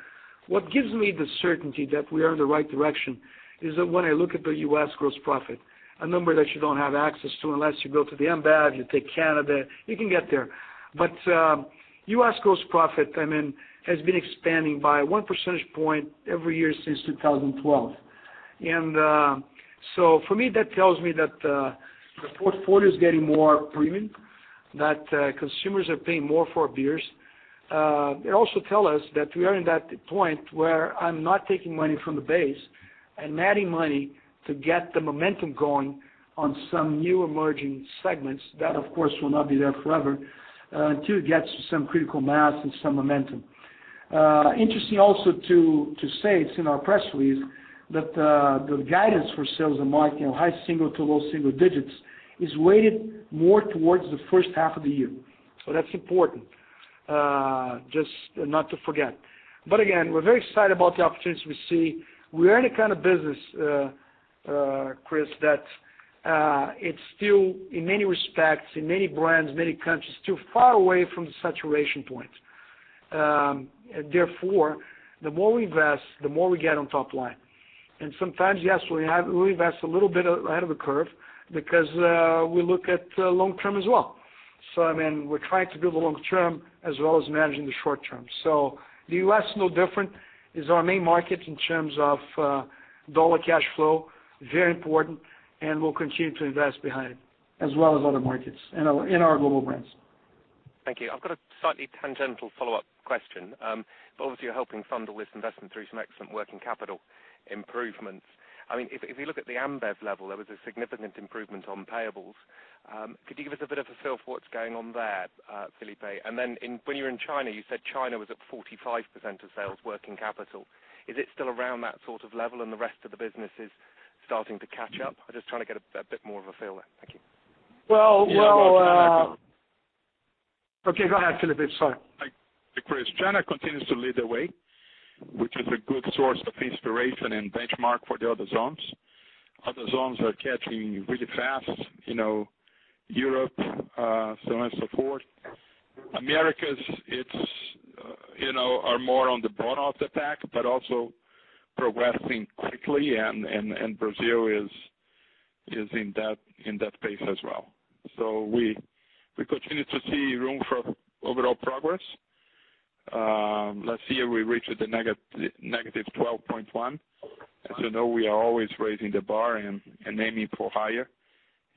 what gives me the certainty that we are in the right direction is that when I look at the U.S. gross profit, a number that you don't have access to unless you go to the Ambev, you take Canada, you can get there. U.S. gross profit has been expanding by one percentage point every year since 2012. For me, that tells me that the portfolio is getting more premium, that consumers are paying more for our beers. It also tells us that we are in that point where I'm not taking money from the base and adding money to get the momentum going on some new emerging segments, that of course, will not be there forever, until it gets some critical mass and some momentum. Interesting also to say, it's in our press release, that the guidance for sales and marketing, high single to low single digits, is weighted more towards the first half of the year. That's important not to forget. Again, we're very excited about the opportunities we see. We are in a kind of business, Chris, that it's still, in many respects, in many brands, many countries, too far away from the saturation point. Therefore, the more we invest, the more we get on top line. Sometimes, yes, we invest a little bit ahead of the curve because we look at the long term as well. We're trying to build the long term as well as managing the short term. The U.S. is no different. It's our main market in terms of dollar cash flow, very important, we'll continue to invest behind it, as well as other markets in our global brands. Thank you. I've got a slightly tangential follow-up question. Obviously, you're helping fund all this investment through some excellent working capital improvements. If you look at the Ambev level, there was a significant improvement on payables. Could you give us a bit of a feel for what's going on there, Felipe? Then when you were in China, you said China was at 45% of sales working capital. Is it still around that sort of level and the rest of the business is starting to catch up? I'm just trying to get a bit more of a feel there. Thank you. Well- Yeah. Okay, go ahead, Felipe. Sorry. Hi, Chris. China continues to lead the way, which is a good source of inspiration and benchmark for the other zones. Other zones are catching really fast, Europe, so on and so forth. Americas are more on the bottom of the pack, but also progressing quickly, and Brazil is in that pace as well. We continue to see room for overall progress. Last year, we reached the -12.1. As you know, we are always raising the bar and aiming for higher,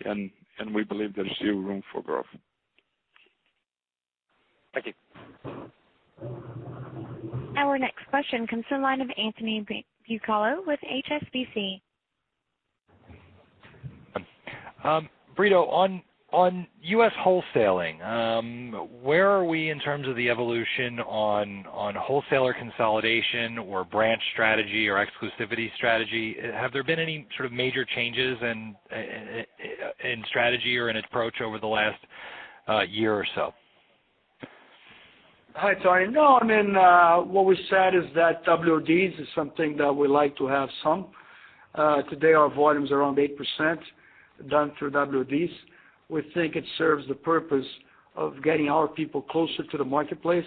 and we believe there's still room for growth. Thank you. Our next question comes to the line of Anthony Bucalo with HSBC. Brito, on U.S. wholesaling, where are we in terms of the evolution on wholesaler consolidation or branch strategy or exclusivity strategy? Have there been any sort of major changes in strategy or in approach over the last year or so? Hi, Tony. No, what we said is that WODs is something that we like to have some. Today our volume's around 8% done through WODs. We think it serves the purpose of getting our people closer to the marketplace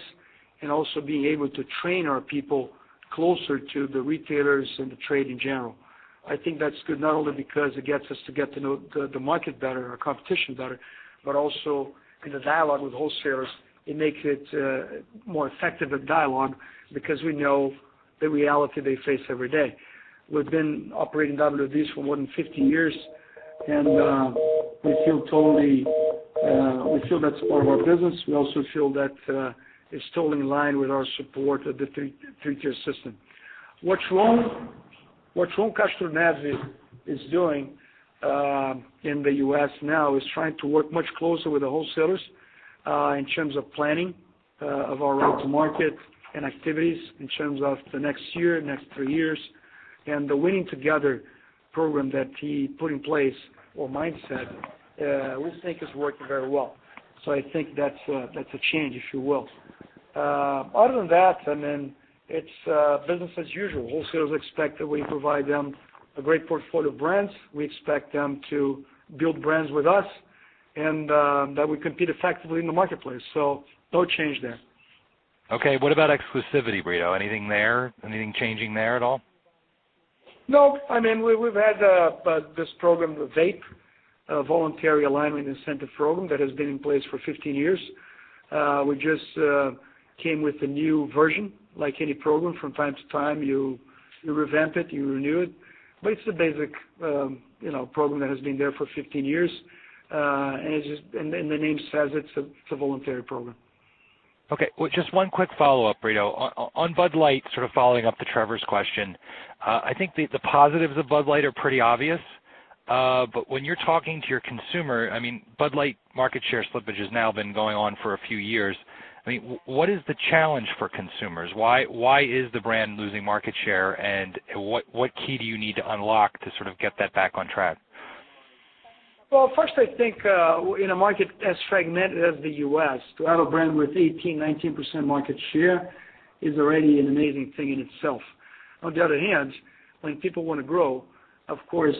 and also being able to train our people closer to the retailers and the trade in general. I think that's good not only because it gets us to get to know the market better and our competition better, but also in the dialogue with wholesalers, it makes it a more effective dialogue because we know the reality they face every day. We've been operating WODs for more than 50 years, and we feel that's part of our business. We also feel that it's totally in line with our support of the three-tier system. What's wrong? What João Castro Neves is doing in the U.S. now is trying to work much closer with the wholesalers in terms of planning of our route to market and activities in terms of the next year, next three years. The Winning Together program that he put in place, or mindset, we think is working very well. I think that's a change, if you will. Other than that, it's business as usual. Wholesalers expect that we provide them a great portfolio of brands. We expect them to build brands with us, and that we compete effectively in the marketplace. No change there. Okay. What about exclusivity, Brito? Anything there? Anything changing there at all? No. We've had this program with VAP, Voluntary Alignment Incentive Program, that has been in place for 15 years. We just came with a new version. Like any program, from time to time, you revamp it, you renew it. It's the basic program that has been there for 15 years. The name says it's a voluntary program. Okay. Just one quick follow-up, Brito. On Bud Light, sort of following up to Trevor's question. I think the positives of Bud Light are pretty obvious. When you're talking to your consumer, Bud Light market share slippage has now been going on for a few years. What is the challenge for consumers? Why is the brand losing market share, and what key do you need to unlock to sort of get that back on track? Well, first, I think in a market as fragmented as the U.S., to have a brand with 18%, 19% market share is already an amazing thing in itself. On the other hand, when people want to grow, of course,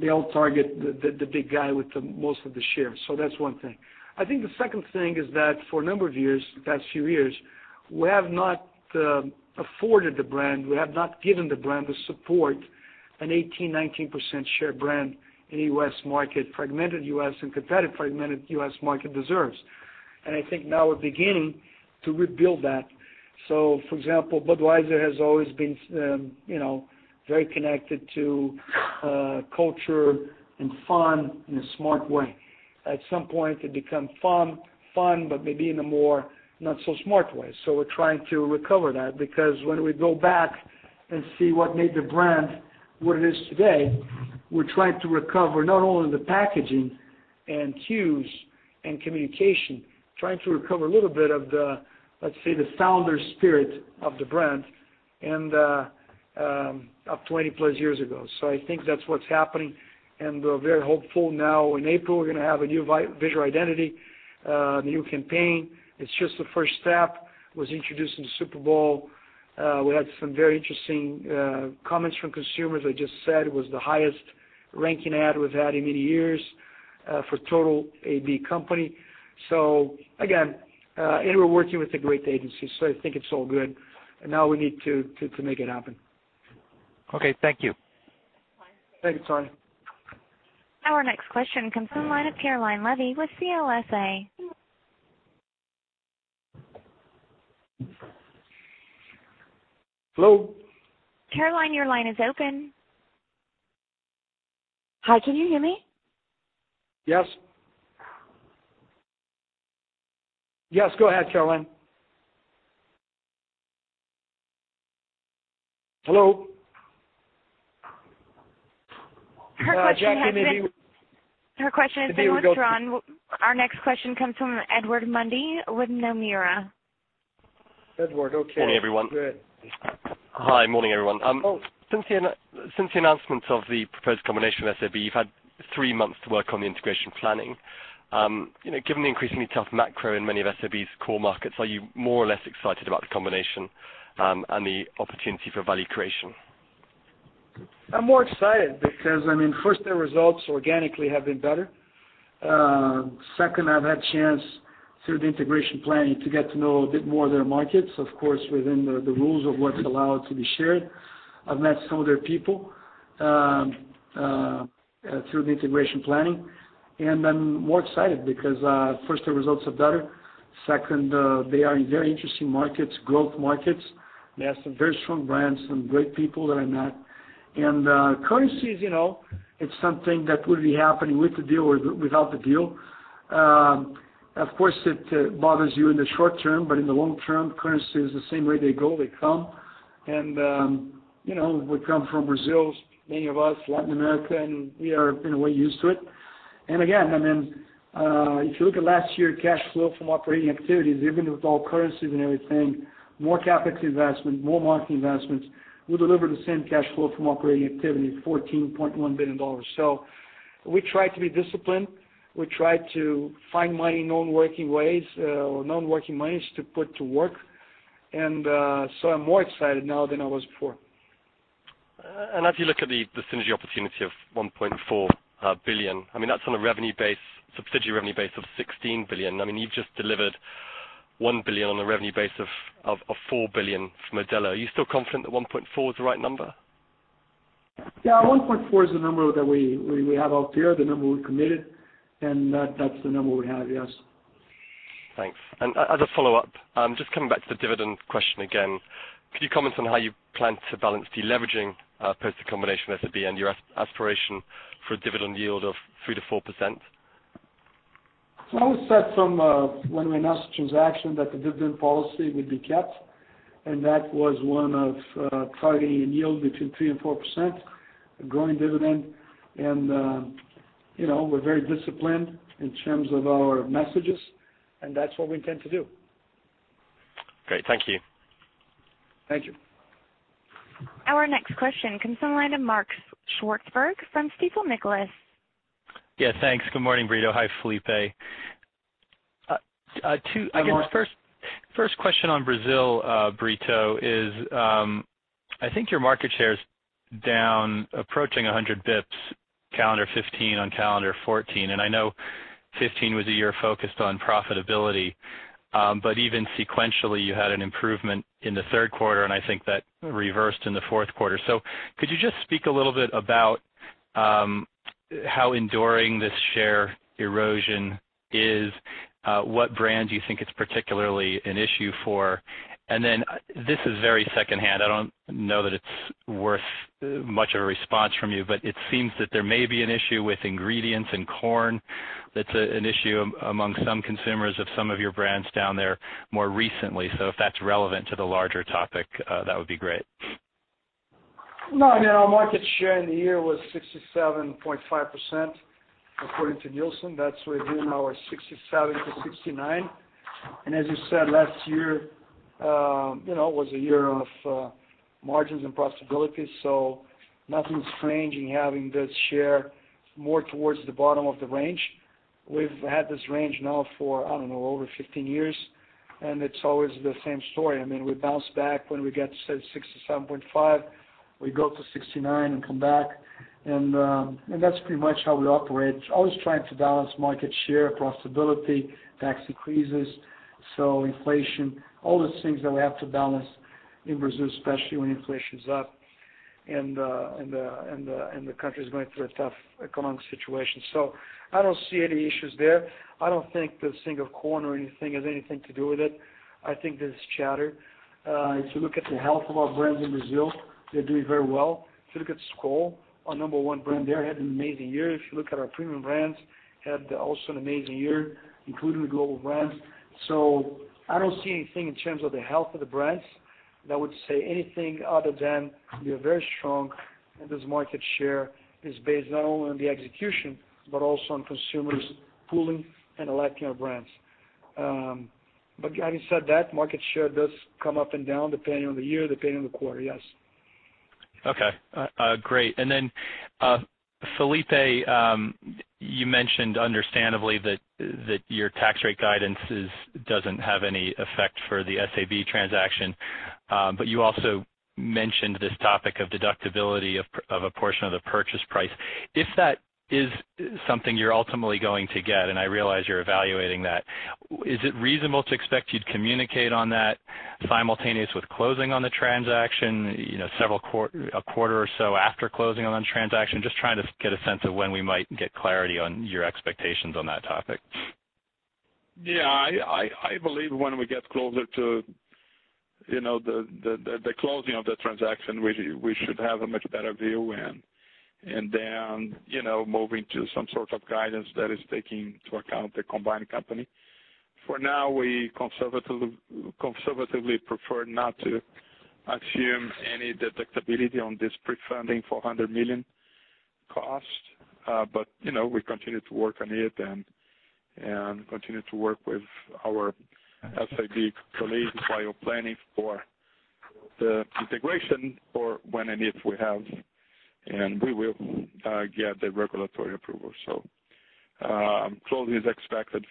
they all target the big guy with the most of the shares. That's one thing. I think the second thing is that for a number of years, the past few years, we have not afforded the brand, we have not given the brand the support an 18%, 19% share brand in the U.S. market, fragmented U.S. and competitive fragmented U.S. market deserves. I think now we're beginning to rebuild that. For example, Budweiser has always been very connected to culture and fun in a smart way. At some point, it become fun, but maybe in a more not so smart way. We're trying to recover that, because when we go back and see what made the brand what it is today, we're trying to recover not only the packaging and cues and communication. Trying to recover a little bit of the, let's say, the founder spirit of the brand of 20-plus years ago. I think that's what's happening, and we're very hopeful now. In April, we're going to have a new visual identity, a new campaign. It's just the first step. It was introduced in the Super Bowl. We had some very interesting comments from consumers. I just said it was the highest-ranking ad we've had in many years for total AB company. Again, and we're working with a great agency, so I think it's all good. Now we need to make it happen. Okay. Thank you. Thank you, Tony. Our next question comes from the line of Caroline Levy with CLSA. Hello? Caroline, your line is open. Hi, can you hear me? Yes, go ahead, Caroline. Hello? Her question has been. Jacqui, maybe we. Her question has been withdrawn. Our next question comes from Edward Mundy with Nomura. Edward, okay. Morning, everyone. Go ahead. Hi. Morning, everyone. Oh. Since the announcement of the proposed combination with SAB, you've had three months to work on the integration planning. Given the increasingly tough macro in many of SAB's core markets, are you more or less excited about the combination and the opportunity for value creation? I'm more excited because, first, their results organically have been better. Second, I've had a chance through the integration planning to get to know a bit more of their markets, of course, within the rules of what's allowed to be shared. I've met some of their people through the integration planning. I'm more excited because, first, their results are better. Second, they are in very interesting markets, growth markets. They have some very strong brands, some great people that I met. Currencies, it's something that would be happening with the deal or without the deal. Of course, it bothers you in the short term, but in the long term, currencies, the same way they go, they come. We come from Brazil, many of us, Latin America, and we are in a way used to it. Again, if you look at last year's cash flow from operating activities, even with all currencies and everything, more CapEx investment, more marketing investments, we delivered the same cash flow from operating activity, $14.1 billion. We try to be disciplined. We try to find money in non-working ways or non-working monies to put to work. I'm more excited now than I was before. As you look at the synergy opportunity of 1.4 billion, that's on a subsidiary revenue base of 16 billion. You've just delivered 1 billion on a revenue base of 4 billion from Modelo. Are you still confident that 1.4 is the right number? 1.4 is the number that we have out there, the number we committed, and that's the number we have, yes. Thanks. As a follow-up, just coming back to the dividend question again. Could you comment on how you plan to balance deleveraging post the combination with SAB and your aspiration for a dividend yield of 3%-4%? I would say from when we announced the transaction that the dividend policy would be kept, and that was one of targeting a yield between 3% and 4%, a growing dividend. We're very disciplined in terms of our messages, and that's what we intend to do. Great. Thank you. Thank you. Our next question comes on the line of Mark Swartzberg from Stifel Nicolaus. Yeah, thanks. Good morning, Brito. Hi, Felipe. Hi, Mark. I guess the first question on Brazil, Brito, is I think your market share is down approaching 100 basis points calendar 2015 on calendar 2014. I know 2015 was a year focused on profitability. Even sequentially, you had an improvement in the third quarter, I think that reversed in the fourth quarter. Could you just speak a little bit about how enduring this share erosion is? What brand do you think it's particularly an issue for? Then, this is very secondhand, I don't know that it's worth much of a response from you, but it seems that there may be an issue with ingredients and corn that's an issue among some consumers of some of your brands down there more recently. If that's relevant to the larger topic, that would be great. No, our market share in the year was 67.5%, according to Nielsen. That's within our 67%-69%. As you said, last year was a year of margins and profitability, nothing strange in having this share more towards the bottom of the range. We've had this range now for, I don't know, over 15 years, it's always the same story. We bounce back when we get to, say, 67.5%, we go to 69% and come back. That's pretty much how we operate. Always trying to balance market share, profitability, tax decreases. Inflation, all these things that we have to balance in Brazil, especially when inflation's up and the country's going through a tough economic situation. I don't see any issues there. I don't think this thing of corn or anything has anything to do with it. I think that it's chatter. If you look at the health of our brands in Brazil, they're doing very well. If you look at Skol, our number one brand there, had an amazing year. If you look at our premium brands, had also an amazing year, including the global brands. I don't see anything in terms of the health of the brands that would say anything other than we are very strong, this market share is based not only on the execution, but also on consumers pooling and electing our brands. Having said that, market share does come up and down depending on the year, depending on the quarter, yes. Okay. Great. Felipe, you mentioned understandably that your tax rate guidance doesn't have any effect for the SAB transaction. You also mentioned this topic of deductibility of a portion of the purchase price. If that is something you're ultimately going to get, and I realize you're evaluating that, is it reasonable to expect you'd communicate on that simultaneous with closing on the transaction, a quarter or so after closing on the transaction? Just trying to get a sense of when we might get clarity on your expectations on that topic. Yeah, I believe when we get closer to the closing of the transaction, we should have a much better view and then moving to some sort of guidance that is taking into account the combined company. For now, we conservatively prefer not to assume any deductibility on this pre-funding $400 million cost. We continue to work on it and continue to work with our SAB colleagues while planning for the integration for when and if we have, and we will get the regulatory approval. Closing is expected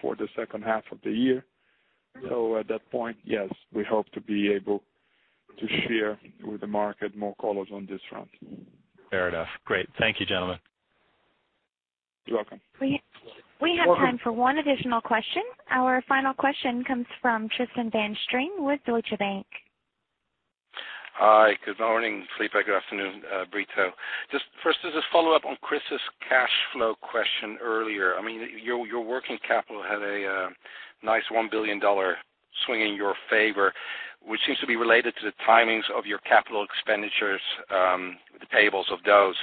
for the second half of the year. At that point, yes, we hope to be able to share with the market more colors on this front. Fair enough. Great. Thank you, gentlemen. You're welcome. We have time for one additional question. Our final question comes from Tristan van Strien with Deutsche Bank. Hi, good morning, Felipe. Good afternoon, Brito. Just first as a follow-up on Chris's cash flow question earlier. Your working capital had a nice EUR 1 billion swing in your favor, which seems to be related to the timings of your capital expenditures, the payables of those.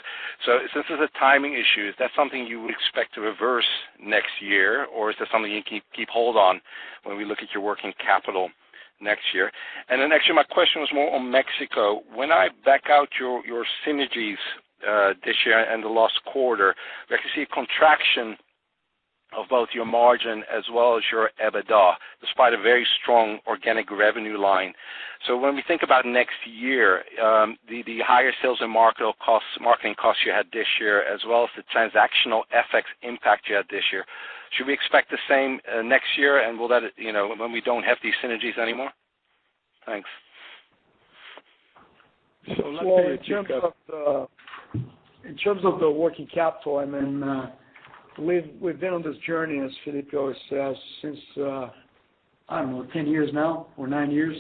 Since this is a timing issue, is that something you would expect to reverse next year, or is that something you can keep hold on when we look at your working capital next year? Actually, my question was more on Mexico. When I back out your synergies this year and the last quarter, I can see a contraction of both your margin as well as your EBITDA, despite a very strong organic revenue line. When we think about next year, the higher sales and marketing costs you had this year, as well as the transactional FX impact you had this year, should we expect the same next year when we don't have these synergies anymore? Thanks. In terms of the working capital, we've been on this journey, as Felipe says, since, I don't know, 10 years now or nine years.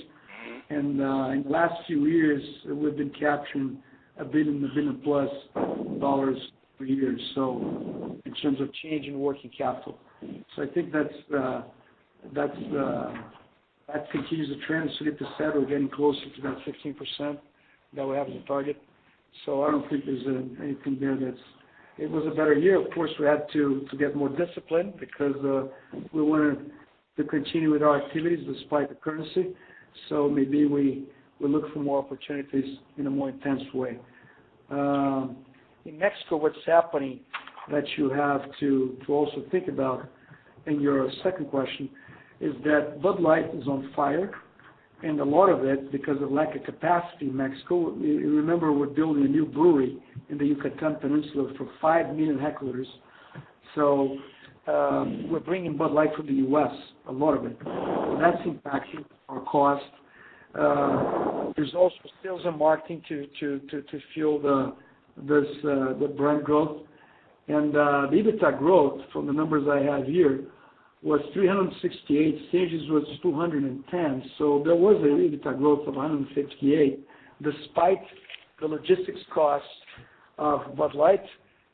In the last few years, we've been capturing EUR 1 billion, EUR 1 billion-plus per year in terms of change in working capital. I think that continues the trend. As Felipe said, we're getting closer to that 15% that we have as a target. It was a better year. Of course, we had to get more disciplined because we wanted to continue with our activities despite the currency. Maybe we look for more opportunities in a more intense way. In Mexico, what's happening that you have to also think about in your second question is that Bud Light is on fire, and a lot of it because of lack of capacity in Mexico. Remember, we're building a new brewery in the Yucatán Peninsula for 5 million hectoliters. We're bringing Bud Light from the U.S., a lot of it. That's impacting our cost. There's also sales and marketing to fuel the brand growth. The EBITDA growth from the numbers I have here was 368. Stage 2 was 210. There was an EBITDA growth of 158 despite the logistics cost of Bud Light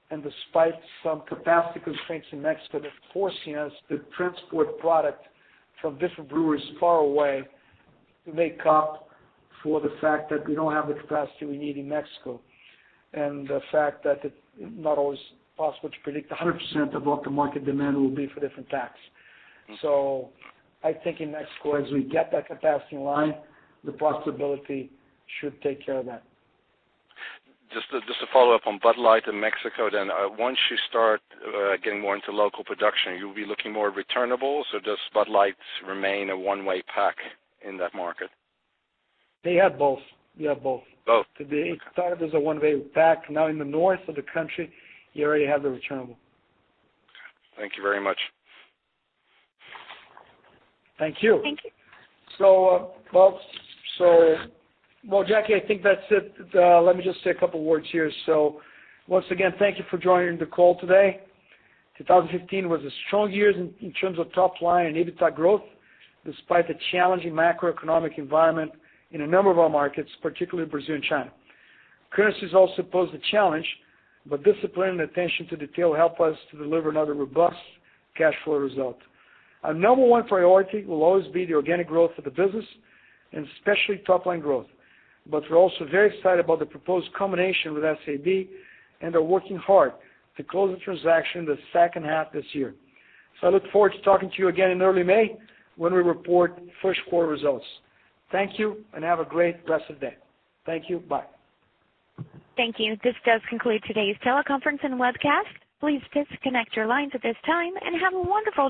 and despite some capacity constraints in Mexico that's forcing us to transport product from different breweries far away to make up for the fact that we don't have the capacity we need in Mexico, and the fact that it's not always possible to predict 100% of what the market demand will be for different packs. I think in Mexico, as we get that capacity online, the profitability should take care of that. Just to follow up on Bud Light in Mexico, once you start getting more into local production, you'll be looking more returnables or does Bud Light remain a one-way pack in that market? They have both. Yeah, both. Both. Okay. It started as a one-way pack. Now in the north of the country, you already have the returnable. Thank you very much. Thank you. Thank you. Well, Jacqui, I think that's it. Let me just say a couple of words here. Once again, thank you for joining the call today. 2015 was a strong year in terms of top line and EBITDA growth, despite the challenging macroeconomic environment in a number of our markets, particularly Brazil and China. Currencies also posed a challenge, discipline and attention to detail helped us to deliver another robust cash flow result. Our number one priority will always be the organic growth of the business, and especially top-line growth. We're also very excited about the proposed combination with SAB and are working hard to close the transaction in the second half this year. I look forward to talking to you again in early May when we report first quarter results. Thank you, and have a great rest of the day. Thank you. Bye. Thank you. This does conclude today's teleconference and webcast. Please disconnect your lines at this time and have a wonderful day.